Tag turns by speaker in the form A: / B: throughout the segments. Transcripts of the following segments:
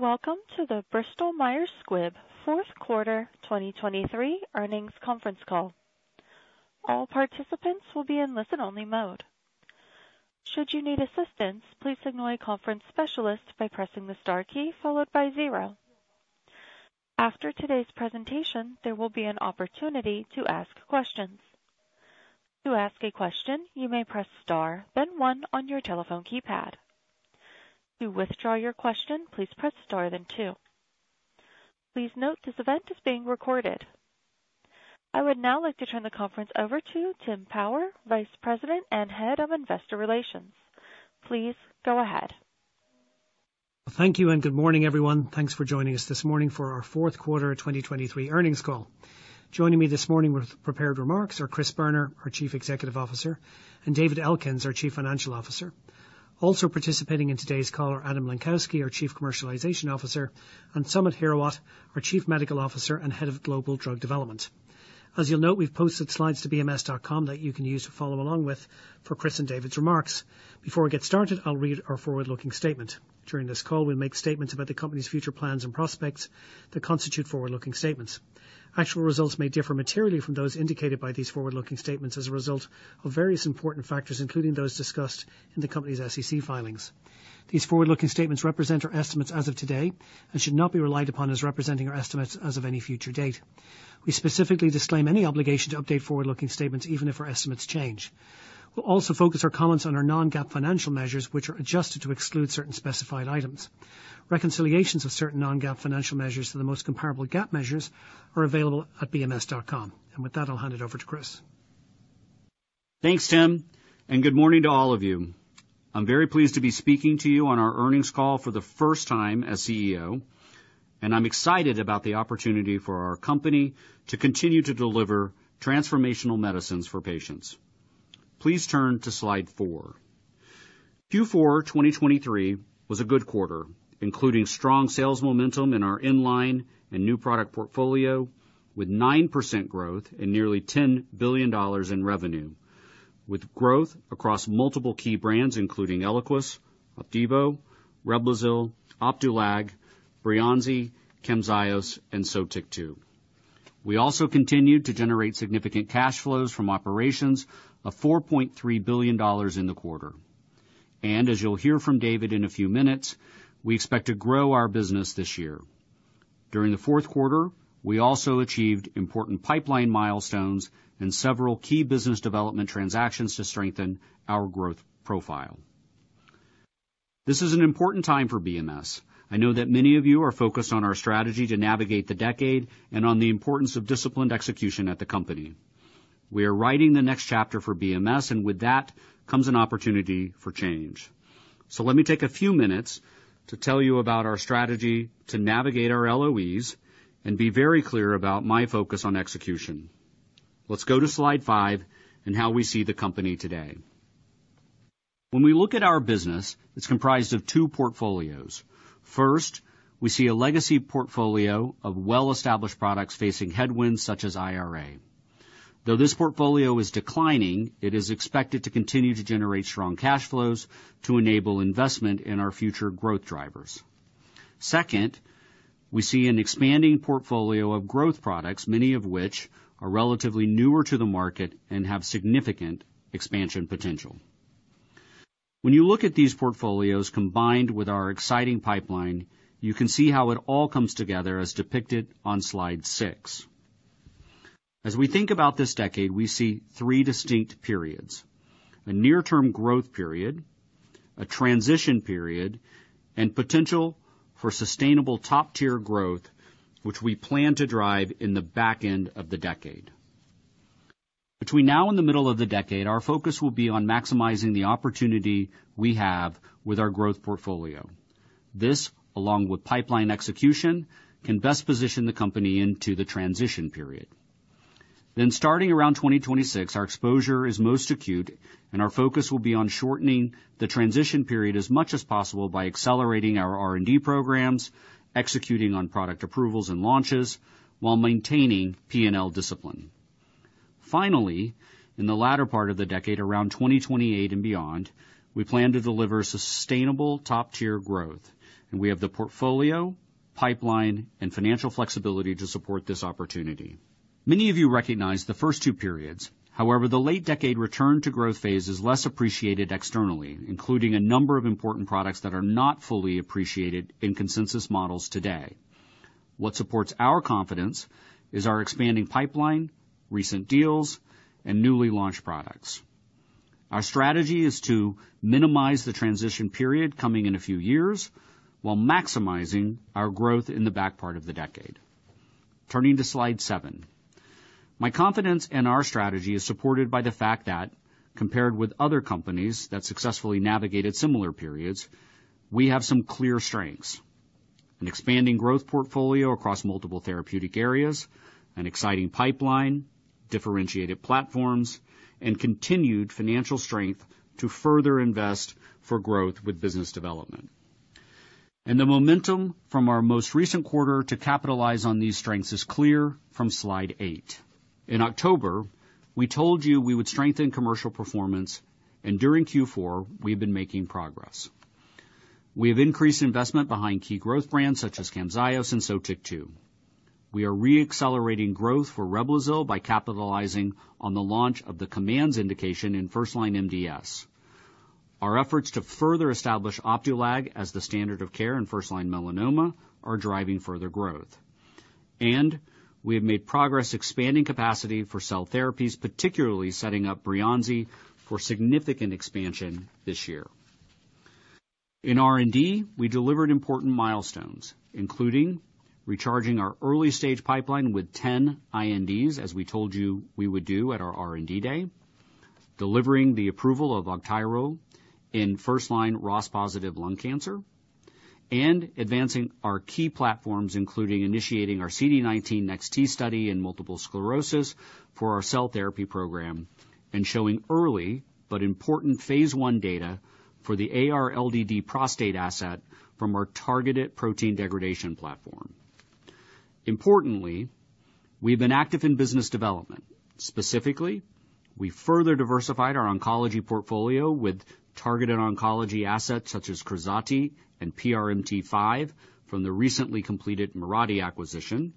A: Welcome to the Bristol-Myers Squibb fourth quarter 2023 earnings conference call. All participants will be in listen-only mode. Should you need assistance, please signal a conference specialist by two pressing the star key followed by zero. After today's presentation, there will be an opportunity to ask questions. To ask a question, you may press star, then one on your telephone keypad. To withdraw your question, please press star then two. Please note, this event is being recorded. I would now like to turn the conference over to Tim Power, Vice President and Head of Investor Relations. Please go ahead.
B: Thank you, and good morning, everyone. Thanks for joining us this morning for our fourth quarter 2023 earnings call. Joining me this morning with prepared remarks are Chris Boerner, our Chief Executive Officer, and David Elkins, our Chief Financial Officer. Also participating in today's call are Adam Lenkowsky, our Chief Commercialization Officer, and Samit Hirawat, our Chief Medical Officer and Head of Global Drug Development. As you'll note, we've posted slides to bms.com that you can use to follow along with for Chris and David's remarks. Before we get started, I'll read our forward-looking statement. During this call, we'll make statements about the company's future plans and prospects that constitute forward-looking statements. Actual results may differ materially from those indicated by these forward-looking statements as a result of various important factors, including those discussed in the company's SEC filings. These forward-looking statements represent our estimates as of today and should not be relied upon as representing our estimates as of any future date. We specifically disclaim any obligation to update forward-looking statements, even if our estimates change. We'll also focus our comments on our non-GAAP financial measures, which are adjusted to exclude certain specified items. Reconciliations of certain non-GAAP financial measures to the most comparable GAAP measures are available at bms.com. With that, I'll hand it over to Chris.
C: Thanks, Tim, and good morning to all of you. I'm very pleased to be speaking to you on our earnings call for the first time as CEO, and I'm excited about the opportunity for our company to continue to deliver transformational medicines for patients. Please turn to slide four. Q4 2023 was a good quarter, including strong sales momentum in our in-line and new product portfolio, with 9% growth and nearly $10 billion in revenue, with growth across multiple key brands including Eliquis, Opdivo, Reblozyl, Opdualag, Breyanzi, Camzyos, and Sotyktu. We also continued to generate significant cash flows from operations of $4.3 billion in the quarter. And as you'll hear from David in a few minutes, we expect to grow our business this year. During the fourth quarter, we also achieved important pipeline milestones and several key business development transactions to strengthen our growth profile. This is an important time for BMS. I know that many of you are focused on our strategy to Navigate the Decade and on the importance of disciplined execution at the company. We are writing the next chapter for BMS, and with that comes an opportunity for change. So let me take a few minutes to tell you about our strategy to navigate our LOEs and be very clear about my focus on execution. Let's go to slide five and how we see the company today. When we look at our business, it's comprised of two portfolios. First, we see a legacy portfolio of well-established products facing headwinds such as IRA. Though this portfolio is declining, it is expected to continue to generate strong cash flows to enable investment in our future growth drivers. Second, we see an expanding portfolio of growth products, many of which are relatively newer to the market and have significant expansion potential. When you look at these portfolios, combined with our exciting pipeline, you can see how it all comes together as depicted on slide six. As we think about this decade, we see three distinct periods: a near-term growth period, a transition period, and potential for sustainable top-tier growth, which we plan to drive in the back end of the decade. Between now and the middle of the decade, our focus will be on maximizing the opportunity we have with our growth portfolio. This, along with pipeline execution, can best position the company into the transition period. Then, starting around 2026, our exposure is most acute, and our focus will be on shortening the transition period as much as possible by accelerating our R&D programs, executing on product approvals and launches, while maintaining P&L discipline. Finally, in the latter part of the decade, around 2028 and beyond, we plan to deliver sustainable top-tier growth, and we have the portfolio, pipeline, and financial flexibility to support this opportunity. Many of you recognize the first two periods. However, the late-decade return to growth phase is less appreciated externally, including a number of important products that are not fully appreciated in consensus models today. What supports our confidence is our expanding pipeline, recent deals, and newly launched products. Our strategy is to minimize the transition period coming in a few years while maximizing our growth in the back part of the decade. Turning to slide seven. My confidence in our strategy is supported by the fact that compared with other companies that successfully navigated similar periods, we have some clear strengths: an expanding growth portfolio across multiple therapeutic areas, an exciting pipeline, differentiated platforms, and continued financial strength to further invest for growth with business development. The momentum from our most recent quarter to capitalize on these strengths is clear from slide eight. In October, we told you we would strengthen commercial performance, and during Q4, we've been making progress. We have increased investment behind key growth brands such as Camzyos and Sotyktu. We are reaccelerating growth for Reblozyl by capitalizing on the launch of the COMMANDS indication in first-line MDS. Our efforts to further establish Opdualag as the standard of care in first-line melanoma are driving further growth, and we have made progress expanding capacity for cell therapies, particularly setting up Breyanzi, for significant expansion this year. In R&D, we delivered important milestones, including recharging our early-stage pipeline with 10 INDs, as we told you we would do at our R&D Day, delivering the approval of Augtyro in first-line ROS1-positive lung cancer, and advancing our key platforms, including initiating our CD19 NEX-T study in multiple sclerosis for our cell therapy program, and showing early but important phase I data for the AR-LDD prostate asset from our targeted protein degradation platform. Importantly, we've been active in business development. Specifically, we further diversified our oncology portfolio with targeted oncology assets such as Krazati and PRMT5 from the recently completed Mirati acquisition,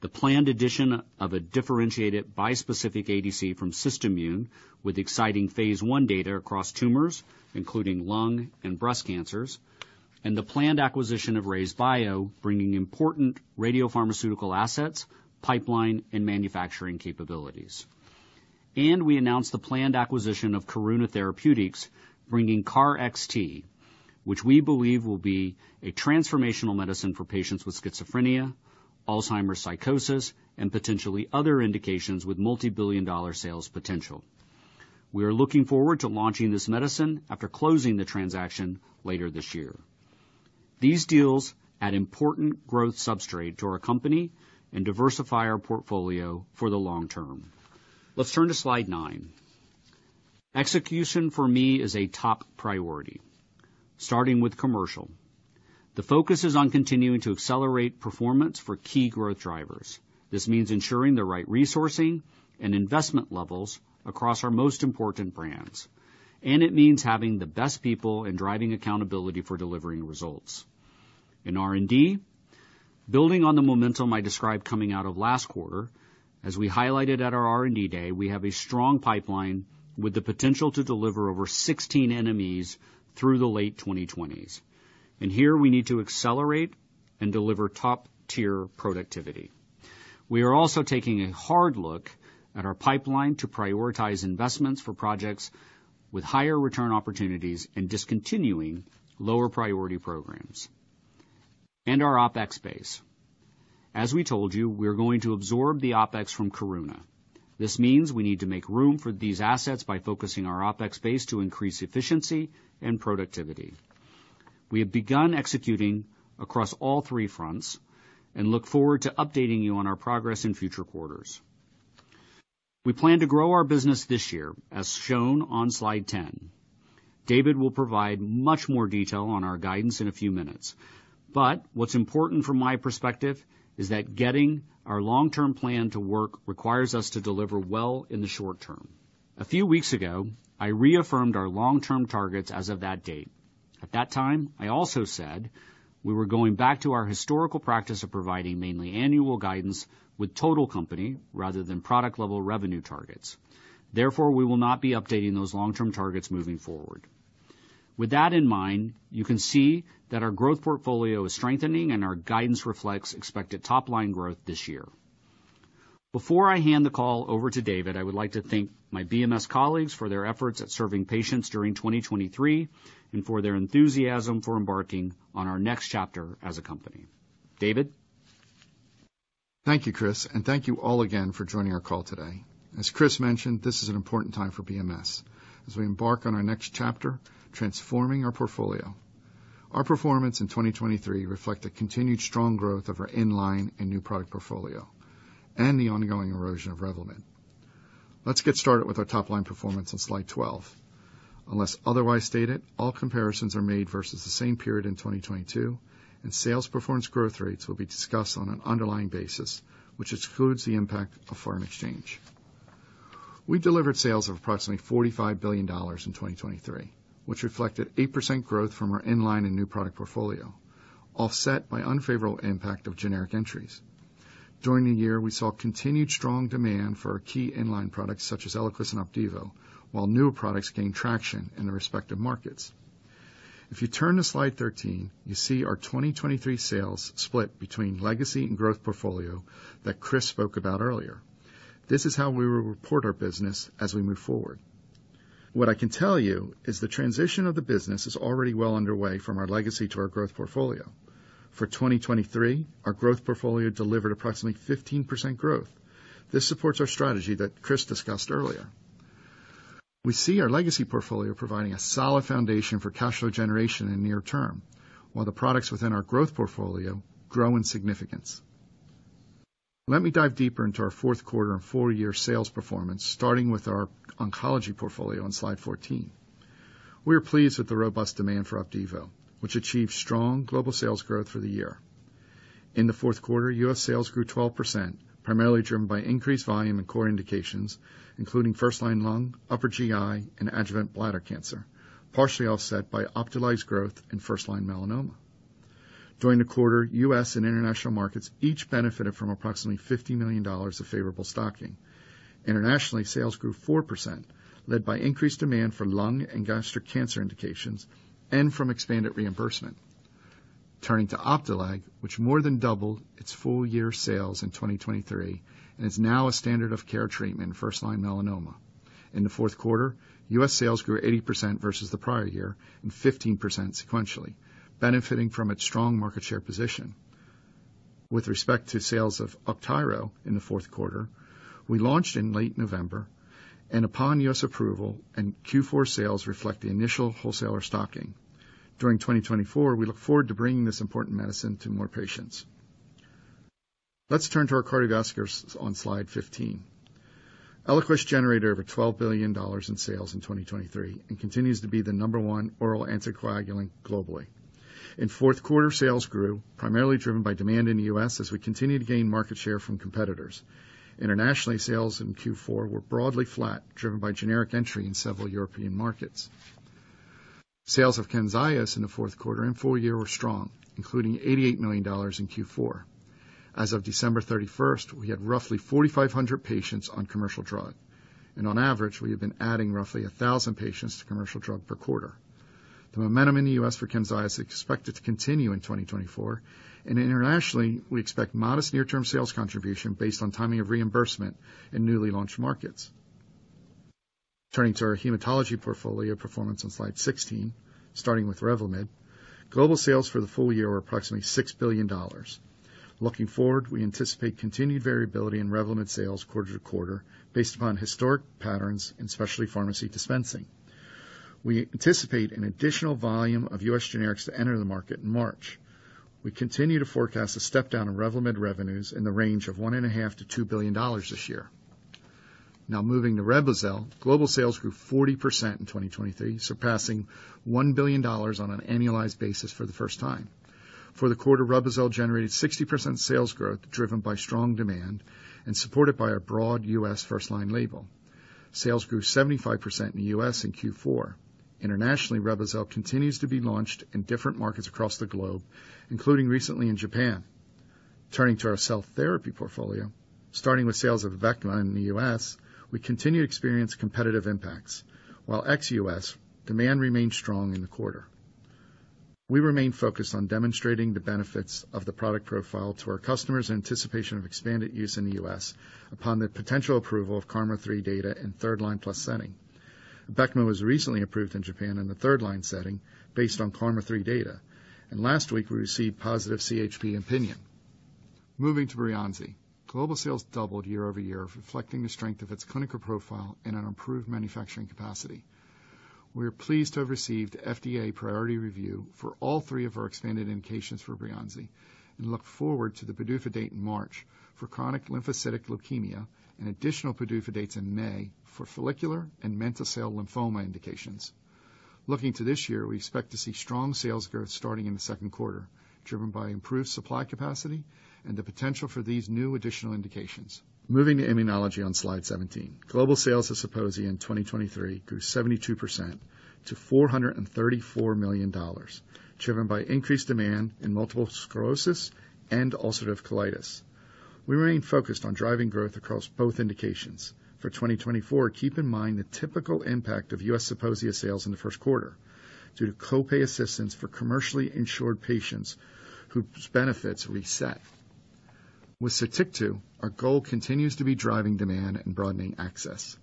C: the planned addition of a differentiated bispecific ADC from SystImmune, with exciting phase I data across tumors, including lung and breast cancers, and the planned acquisition of RayzeBio, bringing important radiopharmaceutical assets, pipeline, and manufacturing capabilities. We announced the planned acquisition of Karuna Therapeutics, bringing KarXT, which we believe will be a transformational medicine for patients with schizophrenia, Alzheimer's psychosis, and potentially other indications with multibillion-dollar sales potential. We are looking forward to launching this medicine after closing the transaction later this year. These deals add important growth substrate to our company and diversify our portfolio for the long term. Let's turn to Slide nine. Execution for me is a top priority, starting with commercial. The focus is on continuing to accelerate performance for key growth drivers. This means ensuring the right resourcing and investment levels across our most important brands, and it means having the best people and driving accountability for delivering results. In R&D, building on the momentum I described coming out of last quarter, as we highlighted at our R&D Day, we have a strong pipeline with the potential to deliver over 16 NMEs through the late 2020s, and here we need to accelerate and deliver top-tier productivity. We are also taking a hard look at our pipeline to prioritize investments for projects with higher return opportunities and discontinuing lower priority programs. Our OpEx base. As we told you, we are going to absorb the OpEx from Karuna. This means we need to make room for these assets by focusing our OpEx base to increase efficiency and productivity. We have begun executing across all three fronts and look forward to updating you on our progress in future quarters. We plan to grow our business this year, as shown on Slide 10. David will provide much more detail on our guidance in a few minutes, but what's important from my perspective is that getting our long-term plan to work requires us to deliver well in the short term. A few weeks ago, I reaffirmed our long-term targets as of that date. At that time, I also said we were going back to our historical practice of providing mainly annual guidance with total company rather than product-level revenue targets. Therefore, we will not be updating those long-term targets moving forward. With that in mind, you can see that our growth portfolio is strengthening and our guidance reflects expected top-line growth this year. Before I hand the call over to David, I would like to thank my BMS colleagues for their efforts at serving patients during 2023 and for their enthusiasm for embarking on our next chapter as a company. David?
D: Thank you, Chris, and thank you all again for joining our call today. As Chris mentioned, this is an important time for BMS as we embark on our next chapter, transforming our portfolio. Our performance in 2023 reflect the continued strong growth of our in-line and new product portfolio and the ongoing erosion of Revlimid. Let's get started with our top-line performance on Slide 12. Unless otherwise stated, all comparisons are made versus the same period in 2022, and sales performance growth rates will be discussed on an underlying basis, which excludes the impact of foreign exchange. We delivered sales of approximately $45 billion in 2023, which reflected 8% growth from our in-line and new product portfolio, offset by unfavorable impact of generic entries. During the year, we saw continued strong demand for our key in-line products, such as Eliquis and Opdivo, while newer products gained traction in their respective markets. If you turn to Slide 13, you see our 2023 sales split between legacy and growth portfolio that Chris spoke about earlier. This is how we will report our business as we move forward. What I can tell you is the transition of the business is already well underway from our legacy to our growth portfolio. For 2023, our growth portfolio delivered approximately 15% growth. This supports our strategy that Chris discussed earlier. We see our legacy portfolio providing a solid foundation for cash flow generation in near term, while the products within our growth portfolio grow in significance. Let me dive deeper into our fourth quarter and full year sales performance, starting with our oncology portfolio on Slide 14.... We are pleased with the robust demand for Opdivo, which achieved strong global sales growth for the year. In the fourth quarter, U.S. sales grew 12%, primarily driven by increased volume in core indications, including first-line lung, upper GI, and adjuvant bladder cancer, partially offset by Opdualag growth in first-line melanoma. During the quarter, U.S. and international markets each benefited from approximately $50 million of favorable stocking. Internationally, sales grew 4%, led by increased demand for lung and gastric cancer indications and from expanded reimbursement. Turning to Opdualag, which more than doubled its full-year sales in 2023 and is now a standard of care treatment in first-line melanoma. In the fourth quarter, U.S. sales grew 80% versus the prior year and 15% sequentially, benefiting from its strong market share position. With respect to sales of Augtyro in the fourth quarter, we launched in late November, and upon US approval, and Q4 sales reflect the initial wholesaler stocking. During 2024, we look forward to bringing this important medicine to more patients. Let's turn to our cardiovasculars on Slide 15. Eliquis generated over $12 billion in sales in 2023 and continues to be the number one oral anticoagulant globally. In fourth quarter, sales grew, primarily driven by demand in the US as we continue to gain market share from competitors. Internationally, sales in Q4 were broadly flat, driven by generic entry in several European markets. Sales of Camzyos in the fourth quarter and full year were strong, including $88 million in Q4. As of December 31st, we had roughly 4,500 patients on commercial drug, and on average, we have been adding roughly 1,000 patients to commercial drug per quarter. The momentum in the US for Camzyos is expected to continue in 2024, and internationally, we expect modest near-term sales contribution based on timing of reimbursement in newly launched markets. Turning to our hematology portfolio performance on Slide 16, starting with Revlimid. Global sales for the full year were approximately $6 billion. Looking forward, we anticipate continued variability in Revlimid sales quarter to quarter based upon historic patterns in specialty pharmacy dispensing. We anticipate an additional volume of US generics to enter the market in March. We continue to forecast a step down in Revlimid revenues in the range of $1.5 billion-$2 billion this year. Now moving to Reblozyl. Global sales grew 40% in 2023, surpassing $1 billion on an annualized basis for the first time. For the quarter, Reblozyl generated 60% sales growth, driven by strong demand and supported by a broad U.S. first-line label. Sales grew 75% in the U.S. in Q4. Internationally, Reblozyl continues to be launched in different markets across the globe, including recently in Japan. Turning to our cell therapy portfolio, starting with sales of Abecma in the U.S., we continue to experience competitive impacts, while ex-U.S. demand remained strong in the quarter. We remain focused on demonstrating the benefits of the product profile to our customers in anticipation of expanded use in the U.S. upon the potential approval of KarMMa-3 data in third-line plus setting. Abecma was recently approved in Japan in the third-line setting based on KarMMa-3 data, and last week, we received positive CHMP opinion. Moving to Breyanzi. Global sales doubled year-over-year, reflecting the strength of its clinical profile and an improved manufacturing capacity. We are pleased to have received FDA priority review for all three of our expanded indications for Breyanzi and look forward to the PDUFA date in March for chronic lymphocytic leukemia and additional PDUFA dates in May for follicular and mantle cell lymphoma indications. Looking to this year, we expect to see strong sales growth starting in the second quarter, driven by improved supply capacity and the potential for these new additional indications. Moving to immunology on Slide 17. Global sales of Zeposia in 2023 grew 72% to $434 million, driven by increased demand in multiple sclerosis and ulcerative colitis. We remain focused on driving growth across both indications. For 2024, keep in mind the typical impact of U.S. Zeposia sales in the first quarter due to copay assistance for commercially insured patients whose benefits reset. With Sotyktu, our goal continues to be driving demand and broadening access.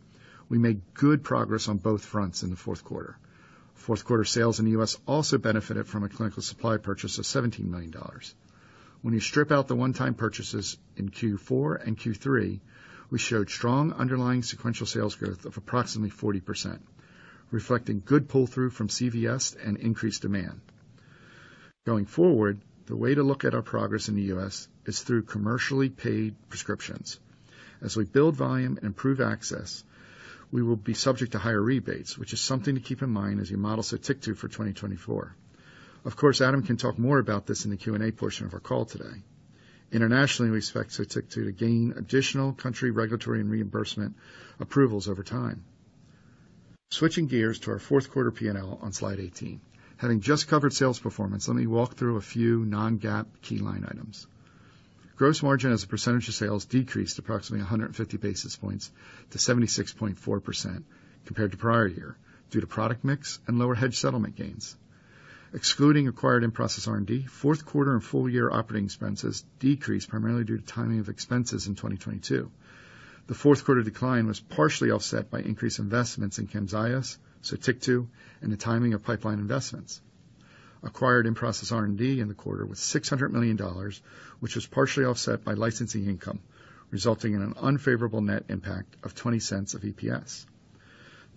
D: We made good progress on both fronts in the fourth quarter. Fourth quarter sales in the U.S. also benefited from a clinical supply purchase of $17 million. When you strip out the one-time purchases in Q4 and Q3, we showed strong underlying sequential sales growth of approximately 40%, reflecting good pull-through from CVS and increased demand. Going forward, the way to look at our progress in the U.S. is through commercially paid prescriptions. As we build volume and improve access, we will be subject to higher rebates, which is something to keep in mind as you model Sotyktu for 2024. Of course, Adam can talk more about this in the Q&A portion of our call today. Internationally, we expect Sotyktu to gain additional country regulatory and reimbursement approvals over time. Switching gears to our fourth quarter P&L on Slide 18. Having just covered sales performance, let me walk through a few non-GAAP key line items. Gross margin as a percentage of sales decreased approximately 150 basis points to 76.4% compared to prior year, due to product mix and lower hedge settlement gains. Excluding acquired in-process R&D, fourth quarter and full-year operating expenses decreased primarily due to timing of expenses in 2022. The fourth quarter decline was partially offset by increased investments in Camzyos, Sotyktu, and the timing of pipeline investments. Acquired in-process R&D in the quarter was $600 million, which was partially offset by licensing income, resulting in an unfavorable net impact of $0.20 of EPS.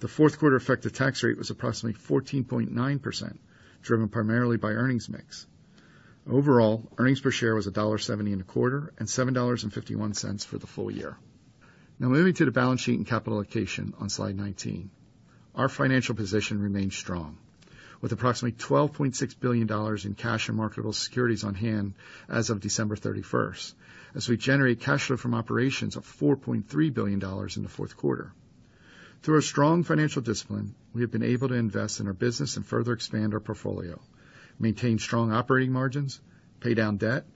D: The fourth quarter effective tax rate was approximately 14.9%, driven primarily by earnings mix. Overall, earnings per share was $1.75, and $7.51 for the full year. Now moving to the balance sheet and capital allocation on slide 19. Our financial position remains strong, with approximately $12.6 billion in cash and marketable securities on hand as of December 31, as we generate cash flow from operations of $4.3 billion in the fourth quarter. Through our strong financial discipline, we have been able to invest in our business and further expand our portfolio, maintain strong operating margins, pay down debt,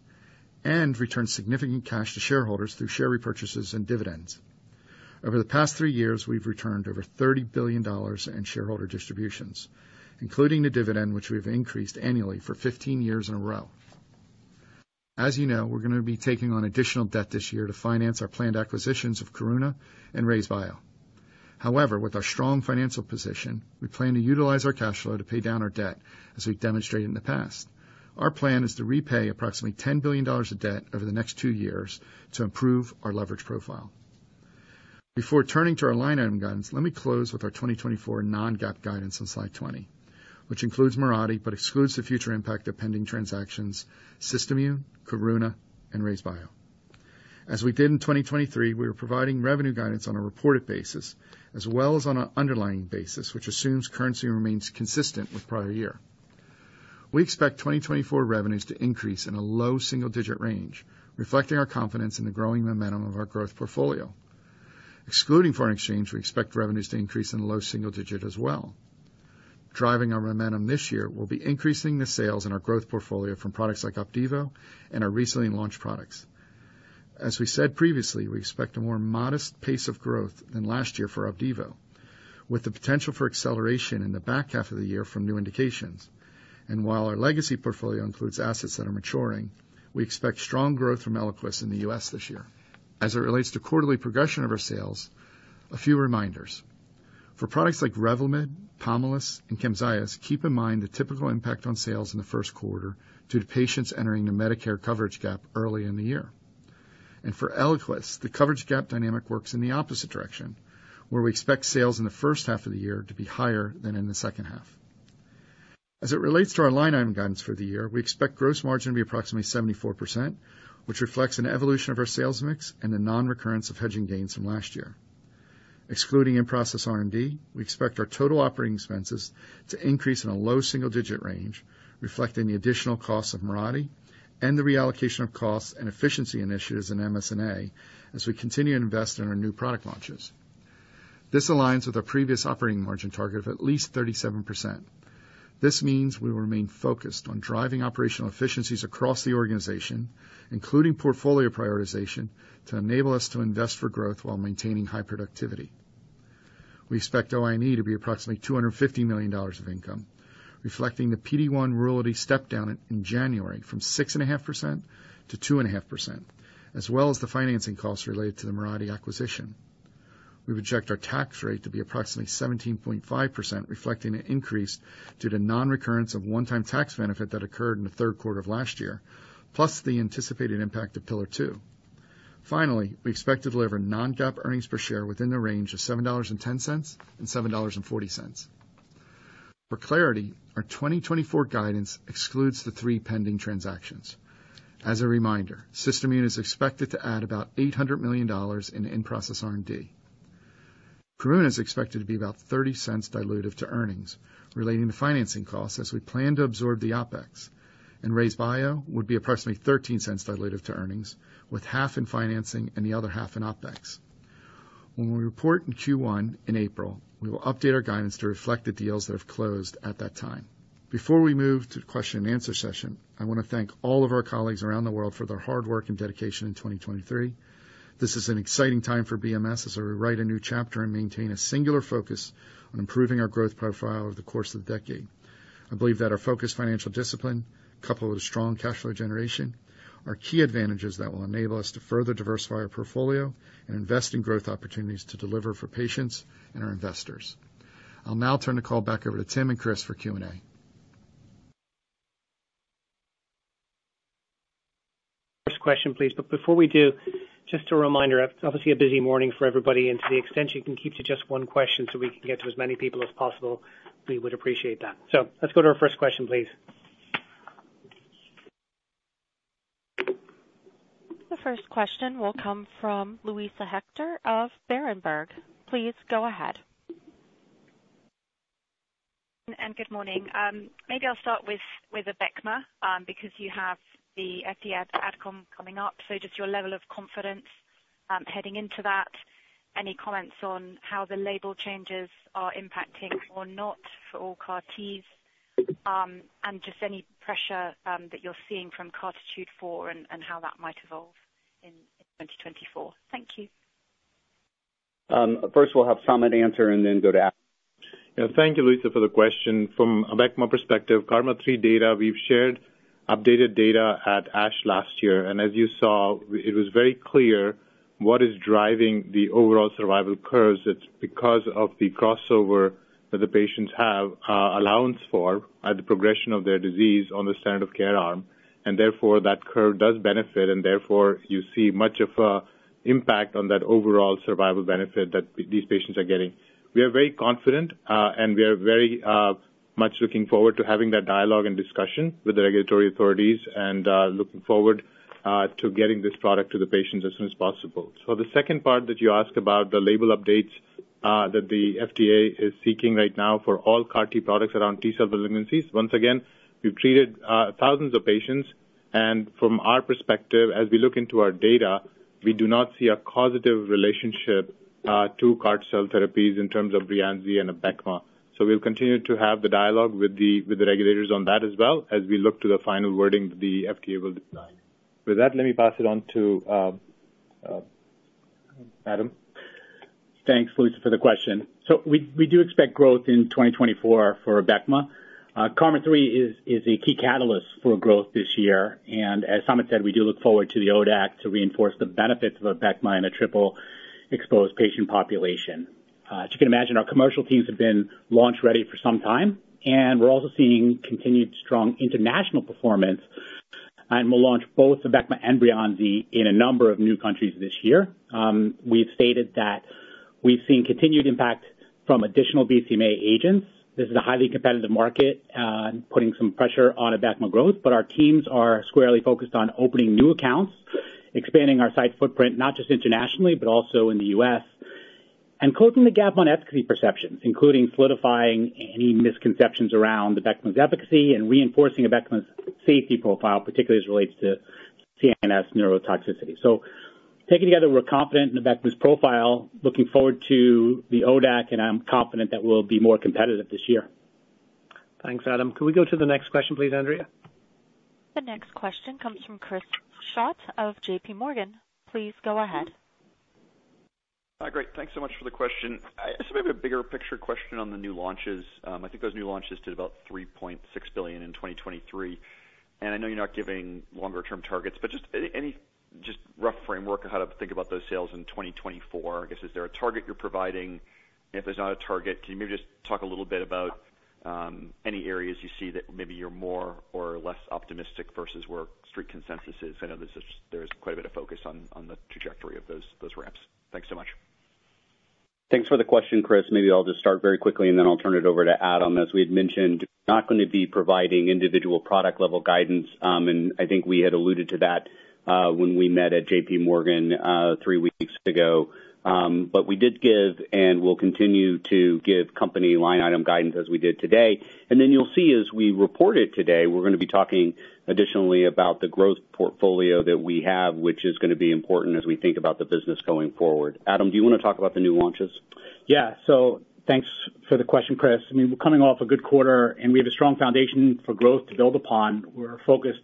D: and return significant cash to shareholders through share repurchases and dividends. Over the past three years, we've returned over $30 billion in shareholder distributions, including the dividend, which we've increased annually for 15 years in a row. As you know, we're going to be taking on additional debt this year to finance our planned acquisitions of Karuna and RayzeBio. However, with our strong financial position, we plan to utilize our cash flow to pay down our debt as we've demonstrated in the past. Our plan is to repay approximately $10 billion of debt over the next two years to improve our leverage profile. Before turning to our line item guidance, let me close with our 2024 non-GAAP guidance on slide 20, which includes Mirati, but excludes the future impact of pending transactions, SystImmune, Karuna, and RayzeBio. As we did in 2023, we are providing revenue guidance on a reported basis as well as on an underlying basis, which assumes currency remains consistent with prior year. We expect 2024 revenues to increase in a low single-digit range, reflecting our confidence in the growing momentum of our growth portfolio. Excluding foreign exchange, we expect revenues to increase in low single digit as well. Driving our momentum this year will be increasing the sales in our growth portfolio from products like Opdivo and our recently launched products. As we said previously, we expect a more modest pace of growth than last year for Opdivo, with the potential for acceleration in the back half of the year from new indications. While our legacy portfolio includes assets that are maturing, we expect strong growth from Eliquis in the U.S. this year. As it relates to quarterly progression of our sales, a few reminders. For products like Revlimid, Pomalyst, and Camzyos, keep in mind the typical impact on sales in the first quarter due to patients entering the Medicare coverage gap early in the year. For Eliquis, the coverage gap dynamic works in the opposite direction, where we expect sales in the first half of the year to be higher than in the second half. As it relates to our line item guidance for the year, we expect gross margin to be approximately 74%, which reflects an evolution of our sales mix and the non-recurrence of hedging gains from last year. Excluding in-process R&D, we expect our total operating expenses to increase in a low single-digit range, reflecting the additional costs of Mirati and the reallocation of costs and efficiency initiatives in MSNA as we continue to invest in our new product launches. This aligns with our previous operating margin target of at least 37%. This means we will remain focused on driving operational efficiencies across the organization, including portfolio prioritization, to enable us to invest for growth while maintaining high productivity. We expect OIE to be approximately $250 million of income, reflecting the PD-1 royalty step down in January from 6.5% to 2.5%, as well as the financing costs related to the Mirati acquisition. We've adjusted our tax rate to be approximately 17.5%, reflecting an increase due to non-recurrence of one-time tax benefit that occurred in the third quarter of last year, plus the anticipated impact of Pillar Two. Finally, we expect to deliver non-GAAP earnings per share within the range of $7.10-$7.40. For clarity, our 2024 guidance excludes the three pending transactions. As a reminder, SystImmune is expected to add about $800 million in in-process R&D. Karuna Therapeutics is expected to be about $0.30 dilutive to earnings relating to financing costs as we plan to absorb the OpEx, and RayzeBio would be approximately $0.13 dilutive to earnings, with half in financing and the other half in OpEx. When we report in Q1 in April, we will update our guidance to reflect the deals that have closed at that time. Before we move to the question and answer session, I want to thank all of our colleagues around the world for their hard work and dedication in 2023. This is an exciting time for BMS as we write a new chapter and maintain a singular focus on improving our growth profile over the course of the decade. I believe that our focused financial discipline, coupled with strong cash flow generation, are key advantages that will enable us to further diversify our portfolio and invest in growth opportunities to deliver for patients and our investors. I'll now turn the call back over to Tim and Chris for Q&A.
B: First question, please. But before we do, just a reminder, it's obviously a busy morning for everybody, and to the extent you can keep to just one question so we can get to as many people as possible, we would appreciate that. So let's go to our first question, please.
A: The first question will come from Luisa Hector of Berenberg. Please go ahead.
E: Good morning. Maybe I'll start with Abecma, because you have the FDA Ad Comm coming up. So just your level of confidence heading into that. Any comments on how the label changes are impacting or not for all CAR Ts? And just any pressure that you're seeing from CARTITUDE-4 and how that might evolve in 2024. Thank you.
C: First, we'll have Samit answer and then go to Adam.
F: Yeah, thank you, Luisa, for the question. From Abecma perspective, KarMMa-3 data, we've shared updated data at ASH last year, and as you saw, it was very clear what is driving the overall survival curves. It's because of the crossover that the patients have, allowance for at the progression of their disease on the standard of care arm, and therefore, that curve does benefit, and therefore, you see much of a impact on that overall survival benefit that these patients are getting. We are very confident, and we are very much looking forward to having that dialogue and discussion with the regulatory authorities and, looking forward, to getting this product to the patients as soon as possible. So the second part that you asked about, the label updates? That the FDA is seeking right now for all CAR T products around T-cell malignancies. Once again, we've treated thousands of patients, and from our perspective, as we look into our data, we do not see a causative relationship to CAR T-cell therapies in terms of Breyanzi and Abecma. So we'll continue to have the dialogue with the regulators on that as well, as we look to the final wording the FDA will design. With that, let me pass it on to Adam.
G: Thanks, Luisa, for the question. So we, we do expect growth in 2024 for Abecma. KarMMa-3 is, is a key catalyst for growth this year, and as Samit said, we do look forward to the ODAC to reinforce the benefits of Abecma in a triple exposed patient population. As you can imagine, our commercial teams have been launch-ready for some time, and we're also seeing continued strong international performance and will launch both Abecma and Breyanzi in a number of new countries this year. We've stated that we've seen continued impact from additional BCMA agents. This is a highly competitive market, putting some pressure on Abecma growth, but our teams are squarely focused on opening new accounts, expanding our site footprint, not just internationally but also in the U.S., and closing the gap on efficacy perceptions, including solidifying any misconceptions around Abecma's efficacy and reinforcing Abecma's safety profile, particularly as it relates to CNS neurotoxicity. So taken together, we're confident in Abecma's profile. Looking forward to the ODAC, and I'm confident that we'll be more competitive this year.
B: Thanks, Adam. Can we go to the next question, please, Andrea?
A: The next question comes from Chris Schott of JPMorgan. Please go ahead.
H: Hi. Great, thanks so much for the question. This may be a bigger picture question on the new launches. I think those new launches did about $3.6 billion in 2023, and I know you're not giving longer term targets, but just any, any just rough framework of how to think about those sales in 2024, I guess, is there a target you're providing? And if there's not a target, can you maybe just talk a little bit about, any areas you see that maybe you're more or less optimistic versus where Street consensus is? I know there's, there's quite a bit of focus on, on the trajectory of those, those ramps. Thanks so much.
C: Thanks for the question, Chris. Maybe I'll just start very quickly, and then I'll turn it over to Adam. As we had mentioned, not going to be providing individual product level guidance, and I think we had alluded to that, when we met at JPMorgan, three weeks ago. But we did give and will continue to give company line item guidance as we did today. And then you'll see as we reported today, we're going to be talking additionally about the growth portfolio that we have, which is going to be important as we think about the business going forward. Adam, do you want to talk about the new launches?
G: Yeah. So thanks for the question, Chris. I mean, we're coming off a good quarter, and we have a strong foundation for growth to build upon. We're focused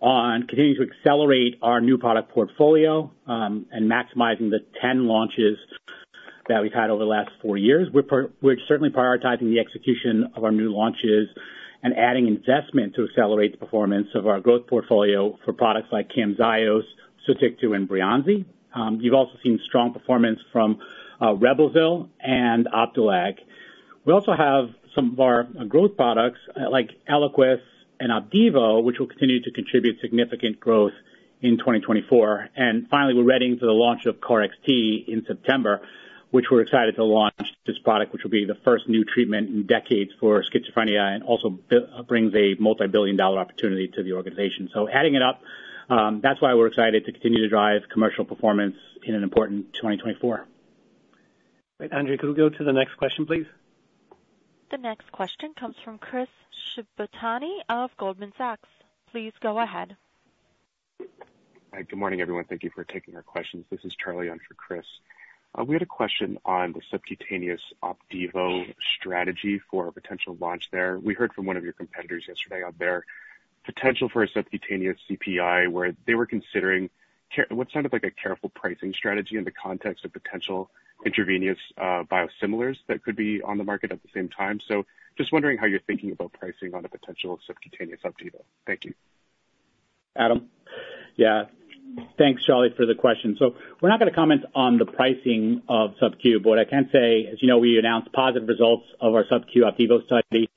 G: on continuing to accelerate our new product portfolio, and maximizing the 10 launches that we've had over the last four years. We're certainly prioritizing the execution of our new launches and adding investment to accelerate the performance of our growth portfolio for products like Camzyos, Sotyktu, and Breyanzi. You've also seen strong performance from Reblozyl and Opdualag. We also have some of our growth products like Eliquis and Opdivo, which will continue to contribute significant growth in 2024. Finally, we're ready for the launch of KarXT in September, which we're excited to launch this product, which will be the first new treatment in decades for schizophrenia and also brings a multibillion-dollar opportunity to the organization. Adding it up, that's why we're excited to continue to drive commercial performance in an important 2024.
B: Great. Andrea, could we go to the next question, please?
A: The next question comes from Chris Shibutani of Goldman Sachs. Please go ahead.
I: Hi, good morning, everyone. Thank you for taking our questions. This is Charlie in for Chris. We had a question on the subcutaneous Opdivo strategy for a potential launch there. We heard from one of your competitors yesterday on their potential for a subcutaneous CPI, where they were considering care... what sounded like a careful pricing strategy in the context of potential intravenous biosimilars that could be on the market at the same time. So just wondering how you're thinking about pricing on a potential subcutaneous Opdivo. Thank you.
C: Adam?
G: Yeah. Thanks, Charlie, for the question. So we're not going to comment on the pricing of subcu, but what I can say, as you know, we announced positive results of our subcu Opdivo study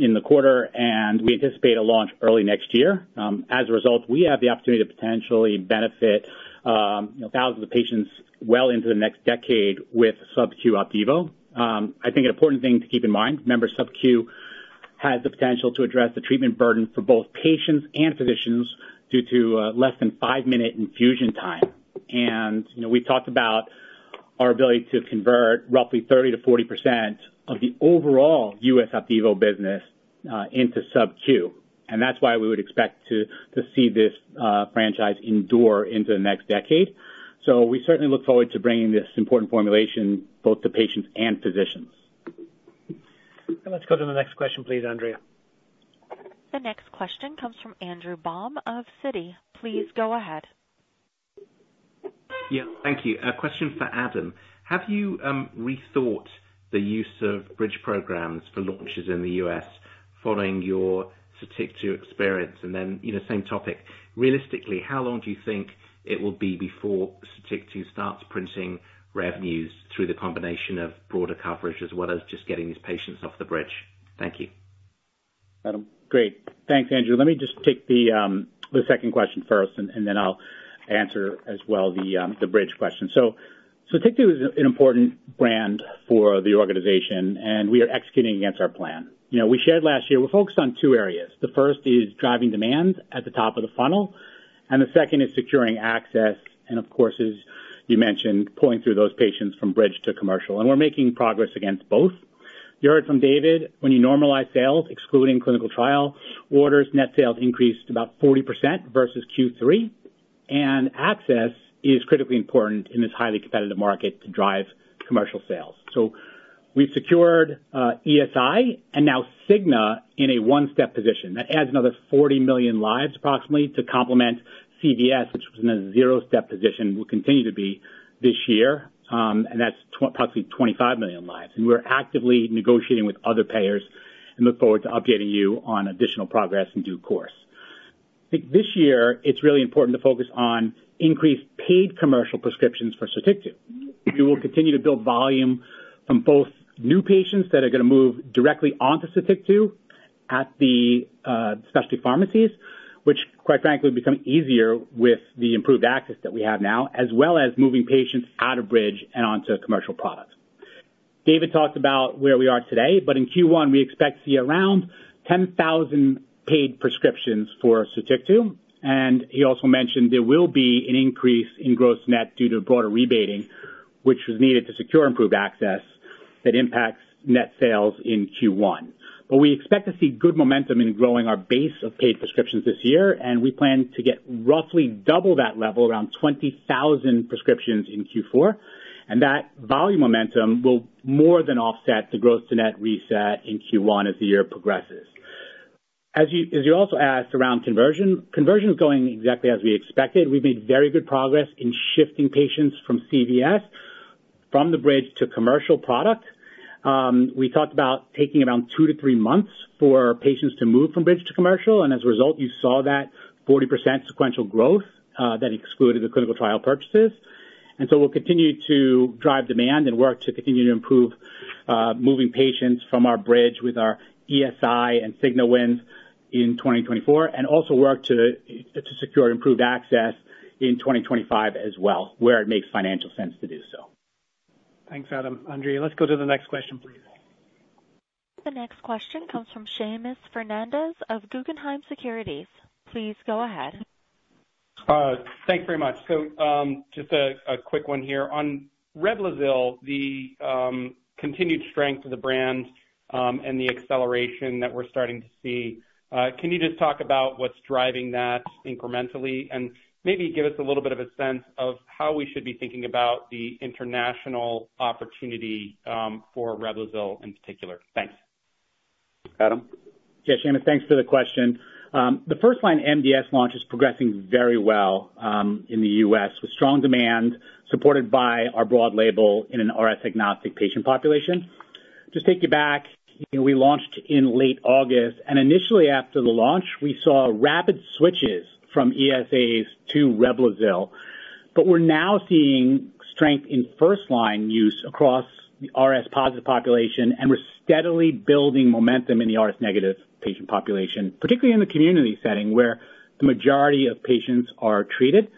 G: in the quarter, and we anticipate a launch early next year. As a result, we have the opportunity to potentially benefit thousands of patients well into the next decade with subcu Opdivo. I think an important thing to keep in mind, remember, subcu has the potential to address the treatment burden for both patients and physicians due to less than 5-minute infusion time. And, you know, we've talked about our ability to convert roughly 30%-40% of the overall U.S. Opdivo business into subcu, and that's why we would expect to see this franchise endure into the next decade. We certainly look forward to bringing this important formulation both to patients and physicians.
B: Let's go to the next question, please, Andrea.
A: The next question comes from Andrew Baum of Citi. Please go ahead.
J: Yeah, thank you. A question for Adam: Have you rethought the use of bridge programs for launches in the U.S. following your Sotyktu experience? And then, you know, same topic. Realistically, how long do you think it will be before Sotyktu starts printing revenues through the combination of broader coverage as well as just getting these patients off the bridge? Thank you.
C: Adam.
G: Great. Thanks, Andrew. Let me just take the second question first, and then I'll answer as well the bridge question. So Sotyktu is an important brand for the organization, and we are executing against our plan. You know, we shared last year, we're focused on two areas. The first is driving demand at the top of the funnel.... And the second is securing access, and of course, as you mentioned, pulling through those patients from bridge to commercial, and we're making progress against both. You heard from David, when you normalize sales, excluding clinical trial orders, net sales increased about 40% versus Q3. And access is critically important in this highly competitive market to drive commercial sales. So we've secured ESI and now Cigna in a one-step position. That adds another 40 million lives approximately to complement CVS, which was in a zero-step position, will continue to be this year, and that's approximately 25 million lives. We're actively negotiating with other payers and look forward to updating you on additional progress in due course. I think this year it's really important to focus on increased paid commercial prescriptions for Sotyktu. We will continue to build volume from both new patients that are going to move directly onto Sotyktu at the specialty pharmacies, which, quite frankly, become easier with the improved access that we have now, as well as moving patients out of bridge and onto commercial products. David talked about where we are today, but in Q1, we expect to see around 10,000 paid prescriptions for Sotyktu, and he also mentioned there will be an increase in gross to net due to broader rebating, which was needed to secure improved access that impacts net sales in Q1. But we expect to see good momentum in growing our base of paid prescriptions this year, and we plan to get roughly double that level, around 20,000 prescriptions in Q4. And that volume momentum will more than offset the gross to net reset in Q1 as the year progresses. As you, as you also asked around conversion, conversion is going exactly as we expected. We've made very good progress in shifting patients from CVS, from the bridge to commercial product. We talked about taking around two to three months for patients to move from bridge to commercial, and as a result, you saw that 40% sequential growth that excluded the clinical trial purchases. And so we'll continue to drive demand and work to continue to improve, moving patients from our bridge with our ESI and Cigna wins in 2024, and also work to secure improved access in 2025 as well, where it makes financial sense to do so.
B: Thanks, Adam. Andrea, let's go to the next question, please.
A: The next question comes from Seamus Fernandez of Guggenheim Securities. Please go ahead.
K: Thanks very much. So, just a quick one here. On Reblozyl, the continued strength of the brand, and the acceleration that we're starting to see, can you just talk about what's driving that incrementally? And maybe give us a little bit of a sense of how we should be thinking about the international opportunity, for Reblozyl in particular. Thanks.
C: Adam?
G: Yeah, Seamus, thanks for the question. The first-line MDS launch is progressing very well, in the U.S., with strong demand supported by our broad label in an RS-agnostic patient population. Just take you back, we launched in late August, and initially after the launch, we saw rapid switches from ESAs to Reblozyl. But we're now seeing strength in first-line use across the RS-positive population, and we're steadily building momentum in the RS-negative patient population, particularly in the community setting, where the majority of patients are treated.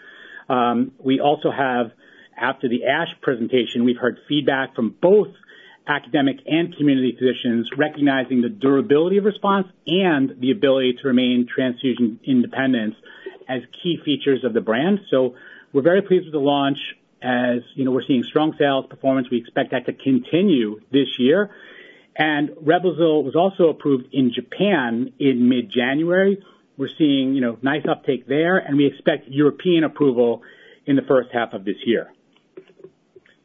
G: We also have, after the ASH presentation, we've heard feedback from both academic and community physicians recognizing the durability of response and the ability to remain transfusion-independent as key features of the brand. So we're very pleased with the launch. As you know, we're seeing strong sales performance. We expect that to continue this year. Reblozyl was also approved in Japan in mid-January. We're seeing, you know, nice uptake there, and we expect European approval in the first half of this year.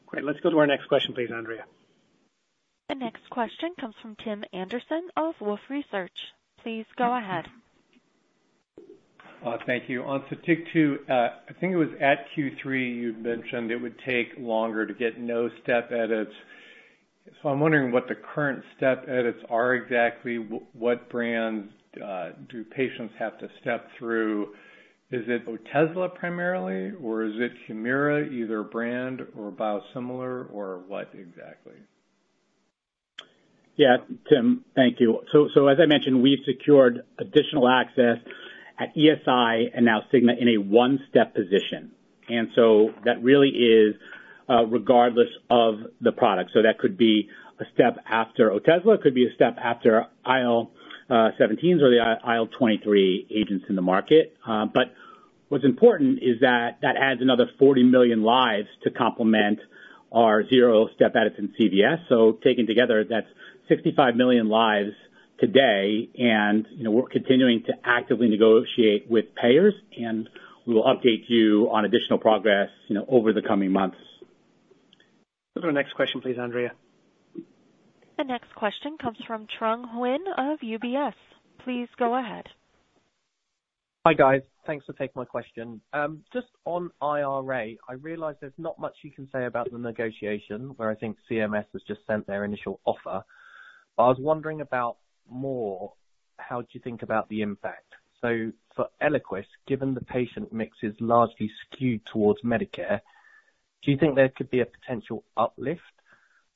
B: Great. Let's go to our next question, please, Andrea.
A: The next question comes from Tim Anderson of Wolfe Research. Please go ahead.
L: Thank you. On Sotyktu, I think it was at Q3, you mentioned it would take longer to get no step edits. So I'm wondering what the current step edits are exactly. What brands do patients have to step through? Is it Otezla primarily, or is it Humira, either brand or biosimilar, or what exactly?
G: Yeah, Tim, thank you. So, as I mentioned, we've secured additional access at ESI and now Cigna in a one-step position, and so that really is, regardless of the product. So that could be a step after Otezla, it could be a step after IL-17s or the IL-23 agents in the market. But what's important is that that adds another 40 million lives to complement our zero-step edits in CVS. So taken together, that's 65 million lives today, and, you know, we're continuing to actively negotiate with payers, and we will update you on additional progress, you know, over the coming months.
B: Go to our next question, please, Andrea.
A: The next question comes from Trung Huynh of UBS. Please go ahead.
M: Hi, guys. Thanks for taking my question. Just on IRA, I realize there's not much you can say about the negotiation, where I think CMS has just sent their initial offer. I was wondering about more, how do you think about the impact? So for Eliquis, given the patient mix is largely skewed towards Medicare, do you think there could be a potential uplift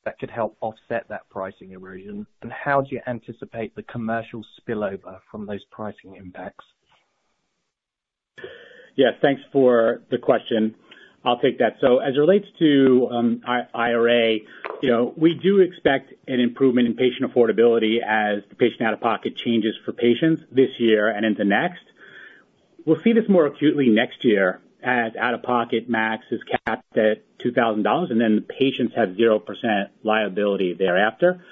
M: that could help offset that pricing erosion? And how do you anticipate the commercial spillover from those pricing impacts?
G: Yeah, thanks for the question. I'll take that. So as it relates to IRA, you know, we do expect an improvement in patient affordability as the patient out-of-pocket changes for patients this year and into next. We'll see this more acutely next year, as out-of-pocket max is capped at $2,000, and then the patients have 0% liability thereafter.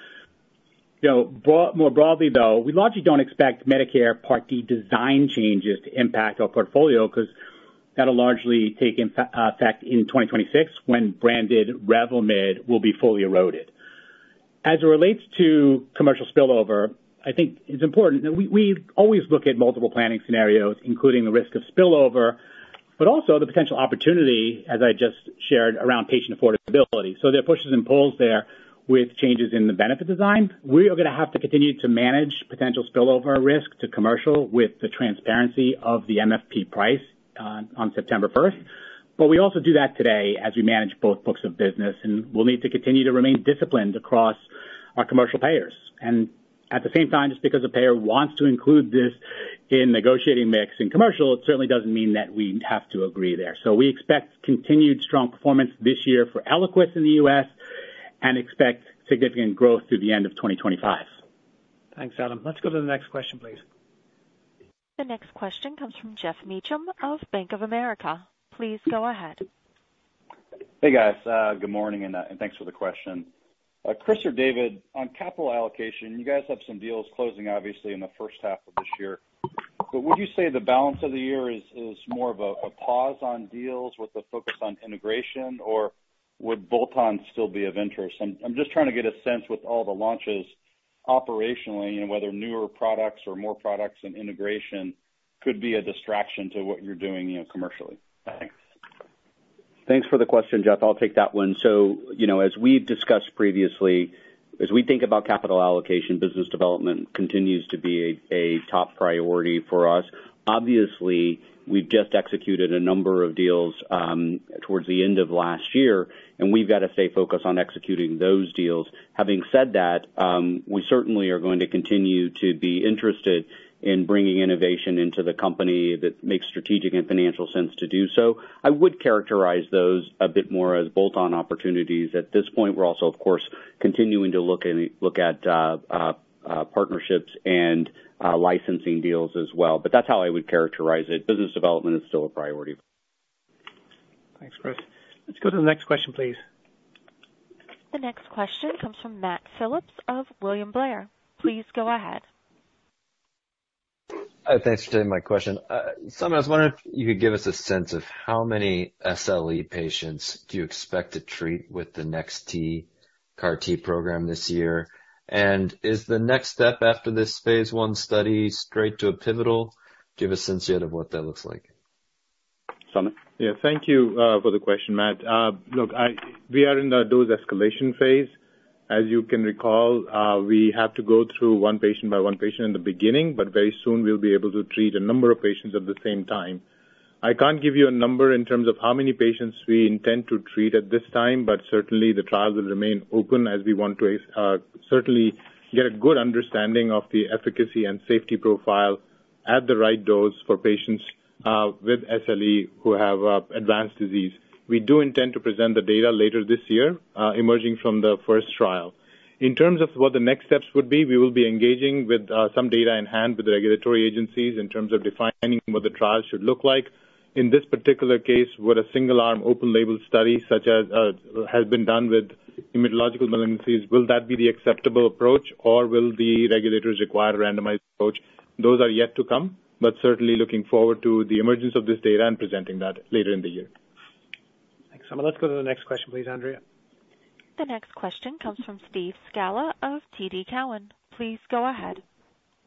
G: You know, more broadly, though, we largely don't expect Medicare Part D design changes to impact our portfolio, 'cause that'll largely take effect in 2026, when branded Revlimid will be fully eroded. As it relates to commercial spillover, I think it's important that we always look at multiple planning scenarios, including the risk of spillover, but also the potential opportunity, as I just shared, around patient affordability. So there are pushes and pulls there with changes in the benefit design. We are gonna have to continue to manage potential spillover risk to commercial with the transparency of the MFP price on September 1. But we also do that today as we manage both books of business, and we'll need to continue to remain disciplined across our commercial payers. And at the same time, just because a payer wants to include this in negotiating mix in commercial, it certainly doesn't mean that we have to agree there. So we expect continued strong performance this year for Eliquis in the U.S. and expect significant growth through the end of 2025.
B: Thanks, Adam. Let's go to the next question, please.
A: The next question comes from Geoff Meacham of Bank of America. Please go ahead.
N: Hey, guys, good morning, and thanks for the question. Chris or David, on capital allocation, you guys have some deals closing, obviously, in the first half of this year. But would you say the balance of the year is more of a pause on deals with the focus on integration, or would bolt-ons still be of interest? I'm just trying to get a sense with all the launches operationally, and whether newer products or more products and integration could be a distraction to what you're doing, you know, commercially. Thanks.
C: Thanks for the question, Geoff. I'll take that one. So, you know, as we've discussed previously, as we think about capital allocation, business development continues to be a top priority for us. Obviously, we've just executed a number of deals towards the end of last year, and we've got to stay focused on executing those deals. Having said that, we certainly are going to continue to be interested in bringing innovation into the company that makes strategic and financial sense to do so. I would characterize those a bit more as bolt-on opportunities. At this point, we're also, of course, continuing to look at partnerships and licensing deals as well. But that's how I would characterize it. Business development is still a priority.
B: Thanks, Chris. Let's go to the next question, please.
A: The next question comes from Matt Phipps of William Blair. Please go ahead.
O: Thanks for taking my question. Samit, I was wondering if you could give us a sense of how many SLE patients do you expect to treat with the NEX-T CAR T program this year? Is the next step after this phase I study straight to a pivotal? Give a sense yet of what that looks like?
C: Samit?
F: Yeah, thank you for the question, Matt. Look, I... We are in the dose escalation phase. As you can recall, we have to go through one patient by one patient in the beginning, but very soon we'll be able to treat a number of patients at the same time. I can't give you a number in terms of how many patients we intend to treat at this time, but certainly the trial will remain open as we want to certainly get a good understanding of the efficacy and safety profile at the right dose for patients with SLE who have advanced disease. We do intend to present the data later this year emerging from the first trial. In terms of what the next steps would be, we will be engaging with some data in hand with the regulatory agencies in terms of defining what the trials should look like. In this particular case, would a single-arm, open-label study, such as has been done with hematological malignancies, will that be the acceptable approach, or will the regulators require a randomized approach? Those are yet to come, but certainly looking forward to the emergence of this data and presenting that later in the year.
B: Thanks, Samit. Let's go to the next question, please, Andrea.
A: The next question comes from Steve Scala of TD Cowen. Please go ahead.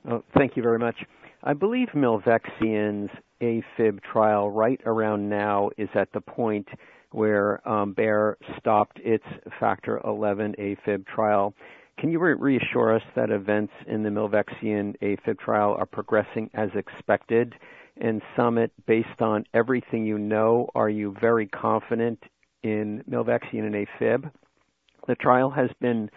P: Oh, thank you very much. I believe Milvexian's AFib trial right around now is at the point where Bayer stopped its Factor XI AFib trial. Can you reassure us that events in the Milvexian AFib trial are progressing as expected? And Samit, based on everything you know, are you very confident in Milvexian and AFib? The trial has been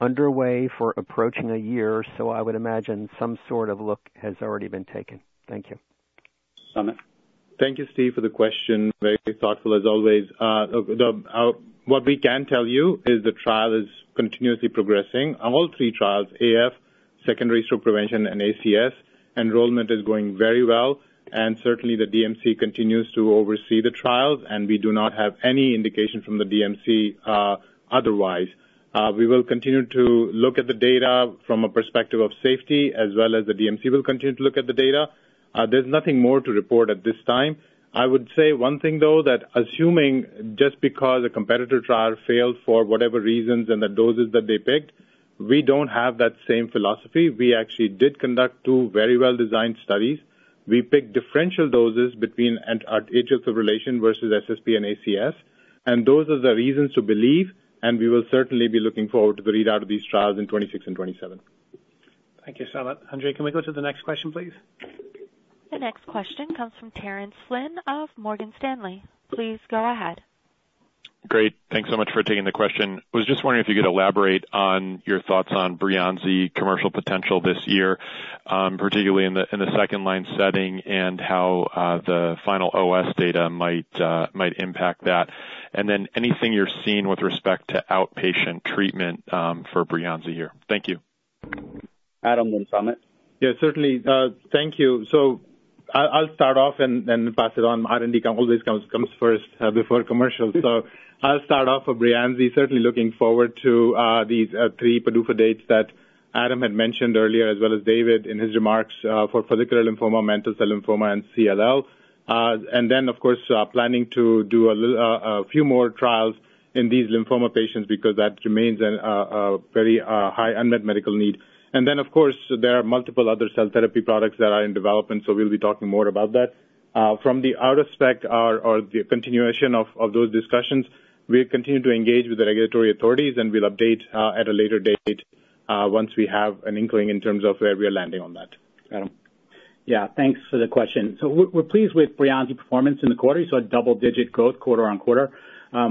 P: underway for approaching a year, so I would imagine some sort of look has already been taken. Thank you.
C: Samit.
F: Thank you, Steve, for the question. Very thoughtful, as always. What we can tell you is the trial is continuously progressing. On all three trials, AF, secondary stroke prevention, and ACS, enrollment is going very well, and certainly, the DMC continues to oversee the trials, and we do not have any indication from the DMC otherwise. We will continue to look at the data from a perspective of safety, as well as the DMC will continue to look at the data. There's nothing more to report at this time. I would say one thing, though, that assuming just because a competitor trial failed for whatever reasons and the doses that they picked, we don't have that same philosophy. We actually did conduct two very well-designed studies. We picked differential doses between antagonists of coagulation versus SSP and ACS, and those are the reasons to believe, and we will certainly be looking forward to the readout of these trials in 2026 and 2027.
B: Thank you, Samit. Andrea, can we go to the next question, please?
A: The next question comes from Terence Flynn of Morgan Stanley. Please go ahead....
Q: Great. Thanks so much for taking the question. Was just wondering if you could elaborate on your thoughts on Breyanzi commercial potential this year, particularly in the second-line setting, and how the final OS data might impact that. And then anything you're seeing with respect to outpatient treatment for Breyanzi here? Thank you.
C: Adam, then Samit.
F: Yeah, certainly. Thank you. So I'll start off and pass it on. R&D always comes first before commercial. So I'll start off with Breyanzi. Certainly looking forward to these three PDUFA dates that Adam had mentioned earlier, as well as David in his remarks for follicular lymphoma, mantle cell lymphoma, and CLL. And then, of course, planning to do a few more trials in these lymphoma patients because that remains a very high unmet medical need. And then, of course, there are multiple other cell therapy products that are in development, so we'll be talking more about that. From the out of spec or the continuation of those discussions, we continue to engage with the regulatory authorities, and we'll update at a later date once we have an inkling in terms of where we are landing on that. Adam?
G: Yeah, thanks for the question. So we're pleased with Breyanzi performance in the quarter, you saw double-digit growth quarter-over-quarter.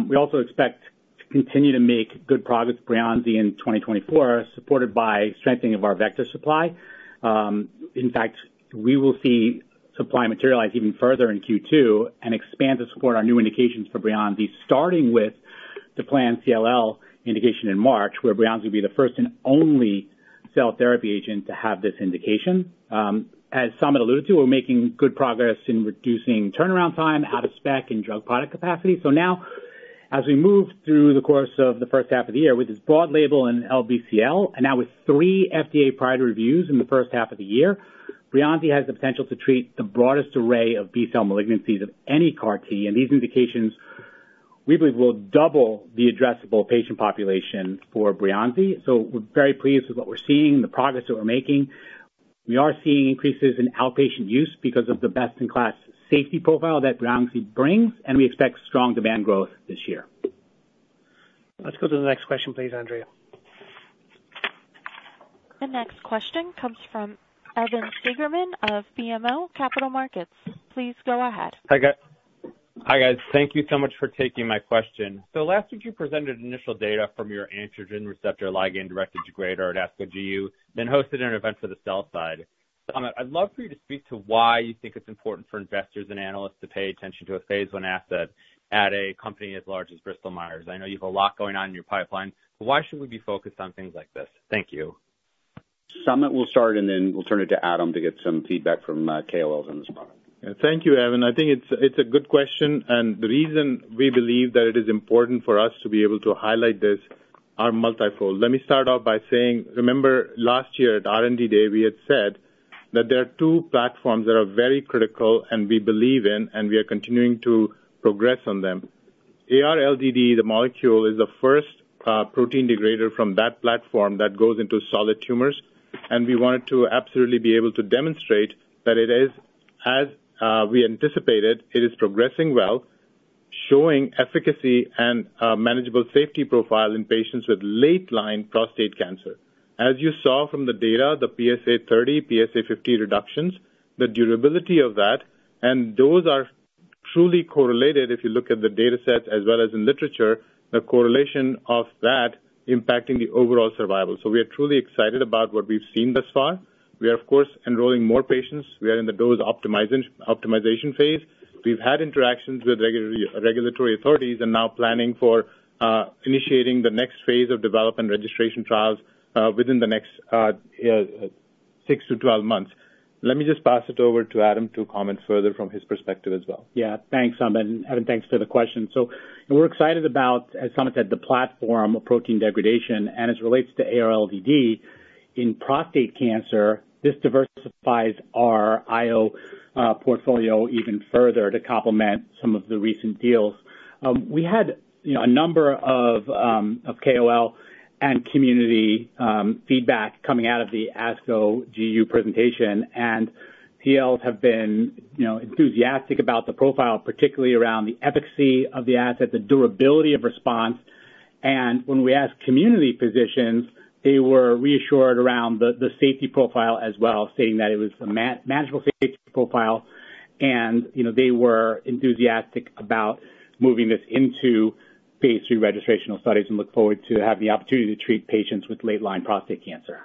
G: We also expect to continue to make good progress with Breyanzi in 2024, supported by strengthening of our vector supply. In fact, we will see supply materialize even further in Q2 and expand to support our new indications for Breyanzi, starting with the planned CLL indication in March, where Breyanzi will be the first and only cell therapy agent to have this indication. As Samit alluded to, we're making good progress in reducing turnaround time, out of spec and drug product capacity. So now, as we move through the course of the first half of the year with this broad label in LBCL, and now with three FDA priority reviews in the first half of the year, Breyanzi has the potential to treat the broadest array of B-cell malignancies of any CAR T. And these indications, we believe, will double the addressable patient population for Breyanzi. So we're very pleased with what we're seeing, the progress that we're making. We are seeing increases in outpatient use because of the best-in-class safety profile that Breyanzi brings, and we expect strong demand growth this year.
B: Let's go to the next question, please, Andrea.
A: The next question comes from Evan Seigerman of BMO Capital Markets. Please go ahead.
R: Hi, guys. Thank you so much for taking my question. So last week, you presented initial data from your androgen receptor ligand-directed degrader at ASCO GU, then hosted an event for the sell side. Samit, I'd love for you to speak to why you think it's important for investors and analysts to pay attention to a phase I asset at a company as large as Bristol-Myers. I know you have a lot going on in your pipeline, but why should we be focused on things like this? Thank you.
C: Samit will start, and then we'll turn it to Adam to get some feedback from KOLs on this product.
F: Thank you, Evan. I think it's, it's a good question, and the reason we believe that it is important for us to be able to highlight this are multifold. Let me start out by saying, remember last year at R&D Day, we had said that there are two platforms that are very critical and we believe in, and we are continuing to progress on them. AR-LDD, the molecule, is the first protein degrader from that platform that goes into solid tumors, and we wanted to absolutely be able to demonstrate that it is, as we anticipated, it is progressing well, showing efficacy and manageable safety profile in patients with late-line prostate cancer. As you saw from the data, the PSA 30, PSA 50 reductions, the durability of that, and those are truly correlated, if you look at the dataset as well as in literature, the correlation of that impacting the overall survival. So we are truly excited about what we've seen thus far. We are, of course, enrolling more patients. We are in the dose optimization phase. We've had interactions with regulatory authorities and now planning for initiating the next phase of development registration trials within the next 6-12 months. Let me just pass it over to Adam to comment further from his perspective as well.
G: Yeah. Thanks, Samit, and Evan, thanks for the question. So we're excited about, as Samit said, the platform of protein degradation and as it relates to AR-LDD. In prostate cancer, this diversifies our IO portfolio even further to complement some of the recent deals. We had, you know, a number of of KOL and community feedback coming out of the ASCO GU presentation, and KOLs have been, you know, enthusiastic about the profile, particularly around the efficacy of the asset, the durability of response. And when we asked community physicians, they were reassured around the, the safety profile as well, saying that it was a manageable safety profile, and, you know, they were enthusiastic about moving this into phase III registrational studies and look forward to having the opportunity to treat patients with late-line prostate cancer.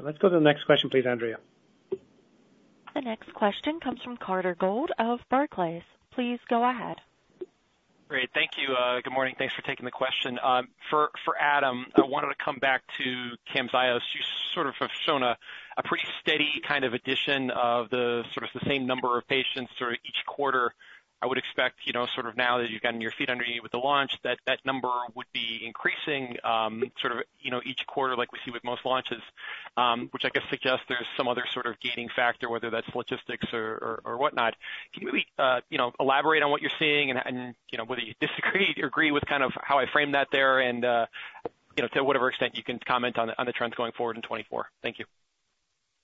B: Let's go to the next question, please, Andrea.
A: The next question comes from Carter Gould of Barclays. Please go ahead.
S: Great. Thank you. Good morning. Thanks for taking the question. For Adam, I wanted to come back to Camzyos. You sort of have shown a pretty steady kind of addition of the sort of the same number of patients sort of each quarter. I would expect, you know, sort of now that you've gotten your feet underneath with the launch, that that number would be increasing, sort of, you know, each quarter, like we see with most launches, which I guess suggests there's some other sort of gaining factor, whether that's logistics or whatnot. Can you maybe elaborate on what you're seeing and whether you disagree or agree with kind of how I framed that there and to whatever extent you can comment on the trends going forward in 2024. Thank you.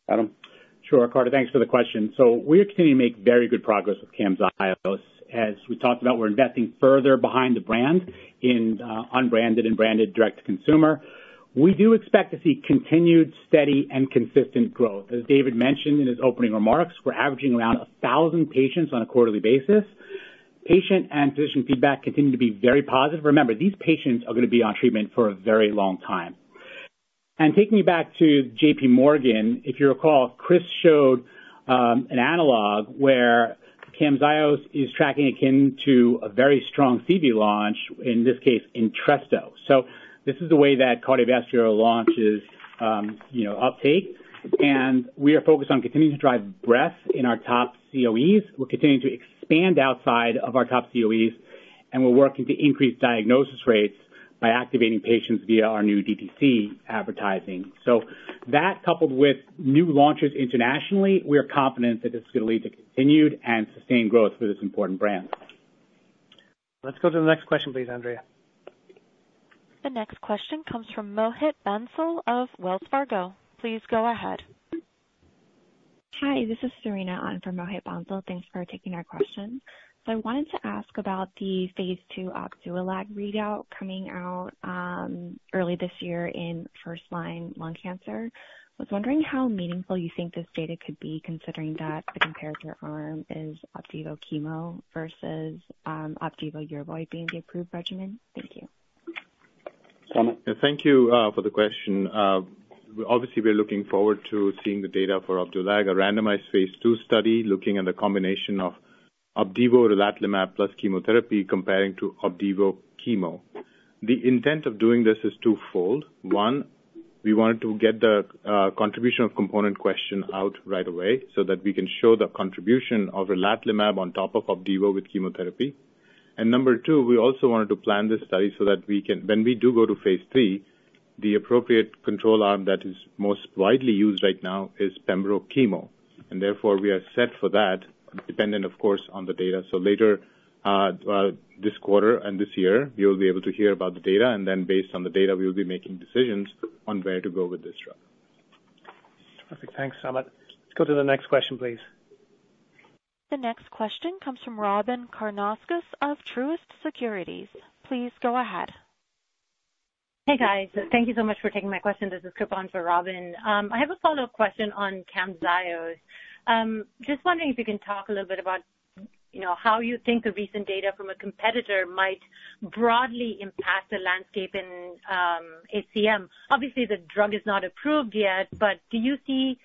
C: Adam?
G: Sure, Carter, thanks for the question. So we are continuing to make very good progress with Camzyos. As we talked about, we're investing further behind the brand in unbranded and branded direct-to-consumer. We do expect to see continued, steady and consistent growth. As David mentioned in his opening remarks, we're averaging around 1,000 patients on a quarterly basis. Patient and physician feedback continue to be very positive. Remember, these patients are going to be on treatment for a very long time. And taking you back to JPMorgan, if you recall, Chris showed an analog where Camzyos is tracking akin to a very strong CV launch, in this case, Entresto. So this is the way that cardiovascular launch is, you know, uptake. And we are focused on continuing to drive breadth in our top COEs. We're continuing to expand outside of our top COEs, and we're working to increase diagnosis rates by activating patients via our new DTC advertising. So that, coupled with new launches internationally, we are confident that this is going to lead to continued and sustained growth for this important brand.
B: Let's go to the next question, please, Andrea.
A: The next question comes from Mohit Bansal of Wells Fargo. Please go ahead.
T: Hi, this is Serena. I'm from Mohit Bansal. Thanks for taking our question. I wanted to ask about the phase II Opdualag readout coming out early this year in first-line lung cancer. I was wondering how meaningful you think this data could be, considering that the comparator arm is Opdivo chemo versus Opdivo Yervoy being the approved regimen. Thank you.
C: Samit?
F: Thank you for the question. Obviously, we're looking forward to seeing the data for Opdualag, a randomized phase II study, looking at the combination of Opdivo relatlimab plus chemotherapy comparing to Opdivo chemo. The intent of doing this is twofold. One, we wanted to get the contribution of component question out right away so that we can show the contribution of relatlimab on top of Opdivo with chemotherapy. And number two, we also wanted to plan this study so that we can, when we do go to phase III, the appropriate control arm that is most widely used right now is pembro chemo, and therefore, we are set for that, dependent, of course, on the data. Later this quarter and this year, you'll be able to hear about the data, and then based on the data, we will be making decisions on where to go with this drug.
B: Perfect. Thanks, Samit. Let's go to the next question, please.
A: The next question comes from Robin Karnauskas of Truist Securities. Please go ahead.
U: Hey, guys. Thank you so much for taking my question. This is Kupon for Robin. I have a follow-up question on Camzyos. Just wondering if you can talk a little bit about, you know, how you think the recent data from a competitor might broadly impact the landscape in, HCM. Obviously, the drug is not approved yet, but do you see,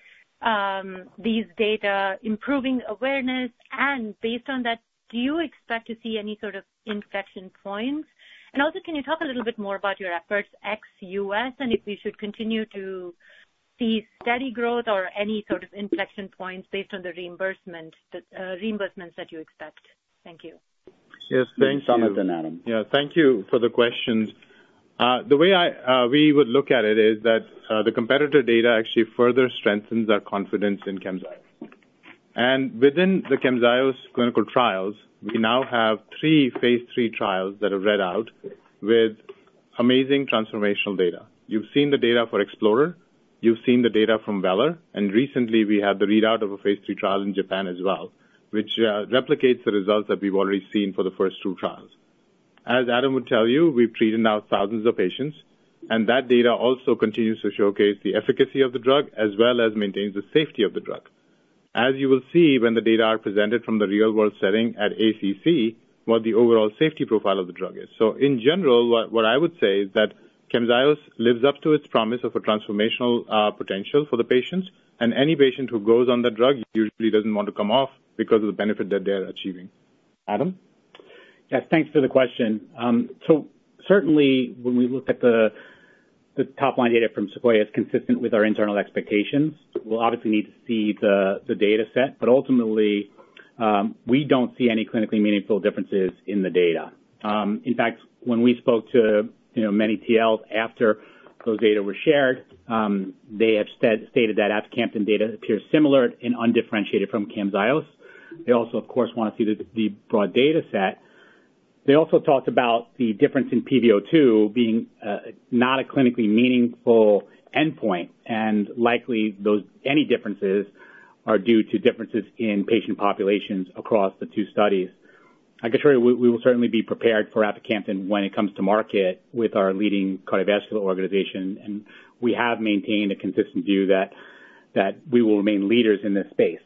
U: these data improving awareness? And based on that, do you expect to see any sort of inflection points? And also, can you talk a little bit more about your efforts ex-U.S., and if we should continue to see steady growth or any sort of inflection points based on the reimbursement, reimbursements that you expect? Thank you.
F: Yes, thank you.
C: Samit and Adam.
F: Yeah, thank you for the questions. The way I, we would look at it is that, the competitor data actually further strengthens our confidence in Camzyos. And within the Camzyos clinical trials, we now have three phase III trials that are read out with amazing transformational data. You've seen the data for Explorer, you've seen the data from Valor, and recently we had the readout of a phase III trial in Japan as well, which, replicates the results that we've already seen for the first two trials. As Adam would tell you, we've treated now thousands of patients, and that data also continues to showcase the efficacy of the drug, as well as maintain the safety of the drug. As you will see, when the data are presented from the real-world setting at ACC, what the overall safety profile of the drug is. So in general, what I would say is that Camzyos lives up to its promise of a transformational potential for the patients, and any patient who goes on the drug usually doesn't want to come off because of the benefit that they're achieving.
C: Adam?
G: Yeah, thanks for the question. So certainly when we looked at the top-line data from Sequoia, it's consistent with our internal expectations. We'll obviously need to see the data set, but ultimately, we don't see any clinically meaningful differences in the data. In fact, when we spoke to, you know, many TLs after those data were shared, they have said, stated that Aficamten data appears similar and undifferentiated from Camzyos. They also, of course, want to see the broad data set. They also talked about the difference in PVO2 being not a clinically meaningful endpoint, and likely those, any differences are due to differences in patient populations across the two studies. I can assure you, we, we will certainly be prepared for Aficamten when it comes to market with our leading cardiovascular organization, and we have maintained a consistent view that, that we will remain leaders in this space.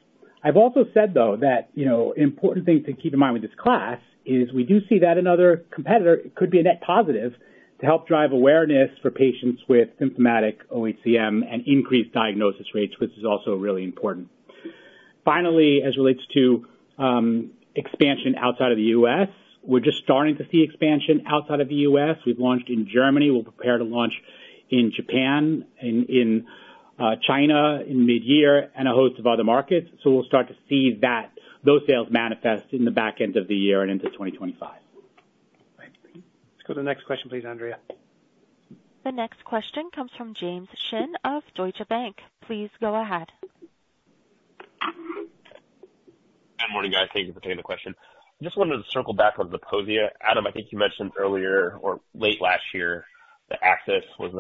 G: I've also said, though, that, you know, important thing to keep in mind with this class is we do see that another competitor could be a net positive to help drive awareness for patients with symptomatic OHCM and increased diagnosis rates, which is also really important. Finally, as it relates to expansion outside of the U.S., we're just starting to see expansion outside of the U.S. We've launched in Germany. We'll prepare to launch in Japan, in China in mid-year and a host of other markets, so we'll start to see that, those sales manifest in the back end of the year and into 2025.
B: Let's go to the next question, please, Andrea.
A: The next question comes from James Shin of Deutsche Bank. Please go ahead.
V: Good morning, guys. Thank you for taking the question. Just wanted to circle back on Zeposia. Adam, I think you mentioned earlier or late last year, that access was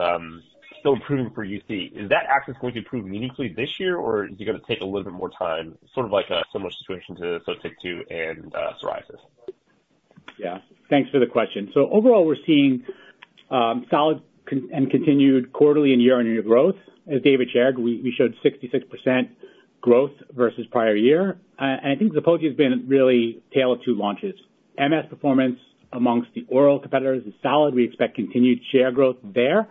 V: still improving for UC. Is that access going to improve meaningfully this year, or is it going to take a little bit more time, sort of like a similar situation to Otezla and psoriasis?...
C: Yeah, thanks for the question. So overall, we're seeing solid and continued quarterly and year-on-year growth. As David shared, we showed 66% growth versus prior year. And I think Zeposia has been really a tale of two launches. MS performance amongst the oral competitors is solid. We expect continued share growth there,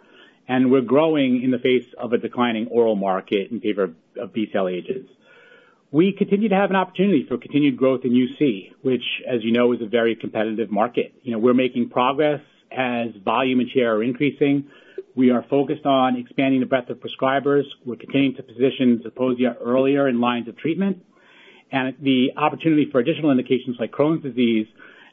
C: and we're growing in the face of a declining oral market in favor of B-cell agents. We continue to have an opportunity for continued growth in UC, which, as you know, is a very competitive market. You know, we're making progress as volume and share are increasing. We are focused on expanding the breadth of prescribers. We're continuing to position Zeposia earlier in lines of treatment, and the opportunity for additional indications like Crohn's disease,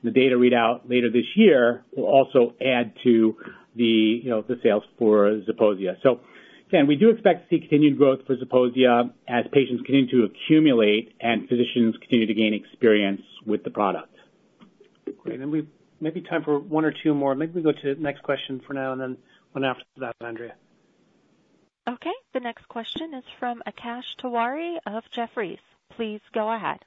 C: the data readout later this year, will also add to the, you know, the sales for Zeposia. So again, we do expect to see continued growth for Zeposia as patients continue to accumulate and physicians continue to gain experience with the product.
B: Great. And we may have time for one or two more. Maybe we go to the next question for now, and then one after that, Andrea.
A: Okay. The next question is from Akash Tewari of Jefferies. Please go ahead.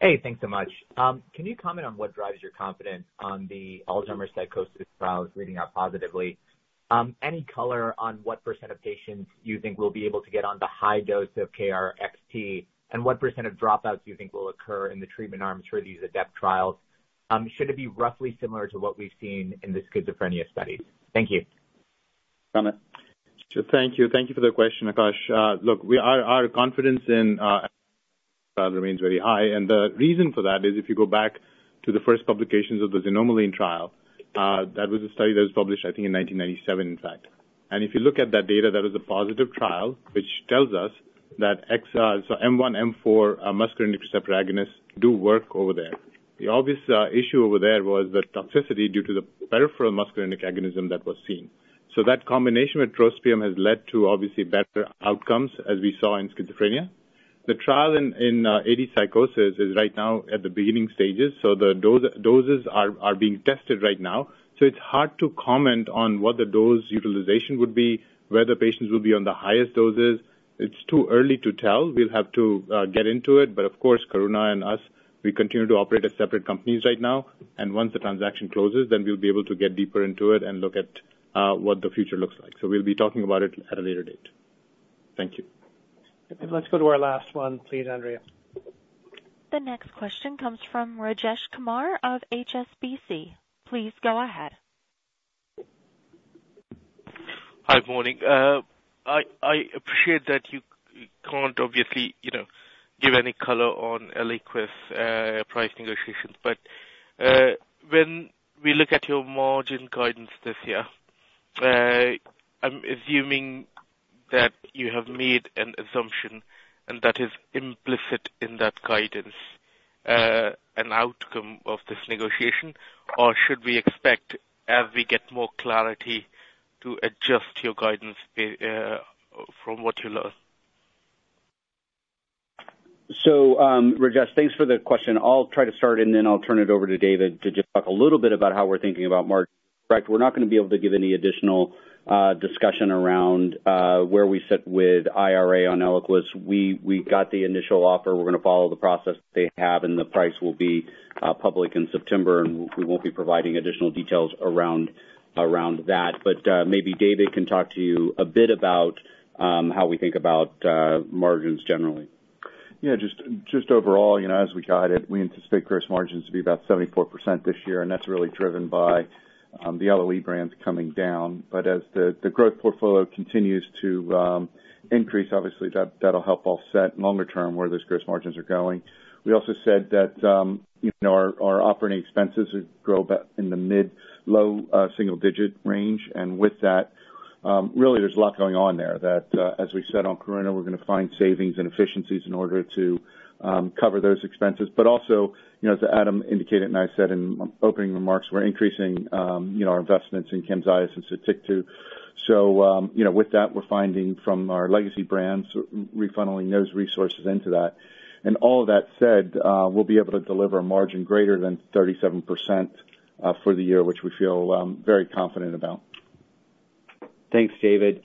W: Hey, thanks so much. Can you comment on what drives your confidence on the Alzheimer's psychosis trials reading out positively? Any color on what percentage of patients you think will be able to get on the high dose of KarXT, and what percentage of dropouts you think will occur in the treatment arm for these ADEPT trials? Should it be roughly similar to what we've seen in the schizophrenia studies? Thank you.
C: Samit?
F: Thank you. Thank you for the question, Akash. Look, our confidence remains very high, and the reason for that is if you go back to the first publications of the xanomeline trial, that was a study that was published, I think, in 1997, in fact. If you look at that data, that was a positive trial, which tells us that XR, so M1, M4, muscarinic receptor agonists do work over there. The obvious issue over there was the toxicity due to the peripheral muscarinic agonism that was seen. So that combination with trospium has led to, obviously, better outcomes, as we saw in schizophrenia. The trial in AD psychosis is right now at the beginning stages, so the doses are being tested right now. So it's hard to comment on what the dose utilization would be, whether patients will be on the highest doses. It's too early to tell. We'll have to get into it, but of course, Karuna and us, we continue to operate as separate companies right now, and once the transaction closes, then we'll be able to get deeper into it and look at what the future looks like. So we'll be talking about it at a later date. Thank you.
B: Let's go to our last one, please, Andrea.
A: The next question comes from Rajesh Kumar of HSBC. Please go ahead.
X: Hi, morning. I appreciate that you can't obviously, you know, give any color on Eliquis price negotiations. But when we look at your margin guidance this year, I'm assuming that you have made an assumption, and that is implicit in that guidance, an outcome of this negotiation. Or should we expect, as we get more clarity, to adjust your guidance from what you learned?
C: So, Rajesh, thanks for the question. I'll try to start, and then I'll turn it over to David to just talk a little bit about how we're thinking about margin. We're not going to be able to give any additional discussion around where we sit with IRA on Eliquis. We got the initial offer. We're going to follow the process they have, and the price will be public in September, and we won't be providing additional details around that. But maybe David can talk to you a bit about how we think about margins generally.
D: Yeah, just overall, you know, as we guide it, we anticipate gross margins to be about 74% this year, and that's really driven by the LOE brands coming down. But as the growth portfolio continues to increase, obviously that'll help offset longer term where those gross margins are going. We also said that, you know, our operating expenses would grow back in the mid-low single-digit range. And with that, really there's a lot going on there that, as we said on Karuna, we're going to find savings and efficiencies in order to cover those expenses. But also, you know, as Adam indicated, and I said in opening remarks, we're increasing, you know, our investments in Camzyos and Sotyktu. So, you know, with that, we're finding from our legacy brands, refunneling those resources into that. And all of that said, we'll be able to deliver a margin greater than 37%, for the year, which we feel very confident about.
C: Thanks, David.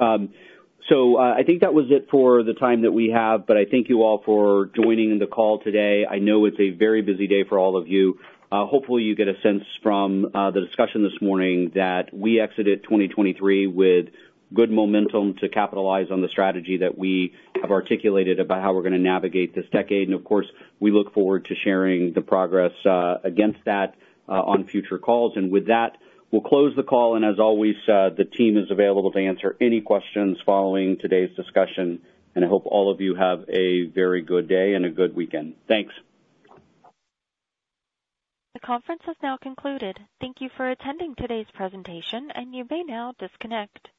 C: So, I think that was it for the time that we have, but I thank you all for joining the call today. I know it's a very busy day for all of you. Hopefully, you get a sense from the discussion this morning that we exited 2023 with good momentum to capitalize on the strategy that we have articulated about how we're going to navigate this decade. And of course, we look forward to sharing the progress against that on future calls. And with that, we'll close the call, and as always, the team is available to answer any questions following today's discussion. And I hope all of you have a very good day and a good weekend. Thanks.
A: The conference has now concluded. Thank you for attending today's presentation, and you may now disconnect.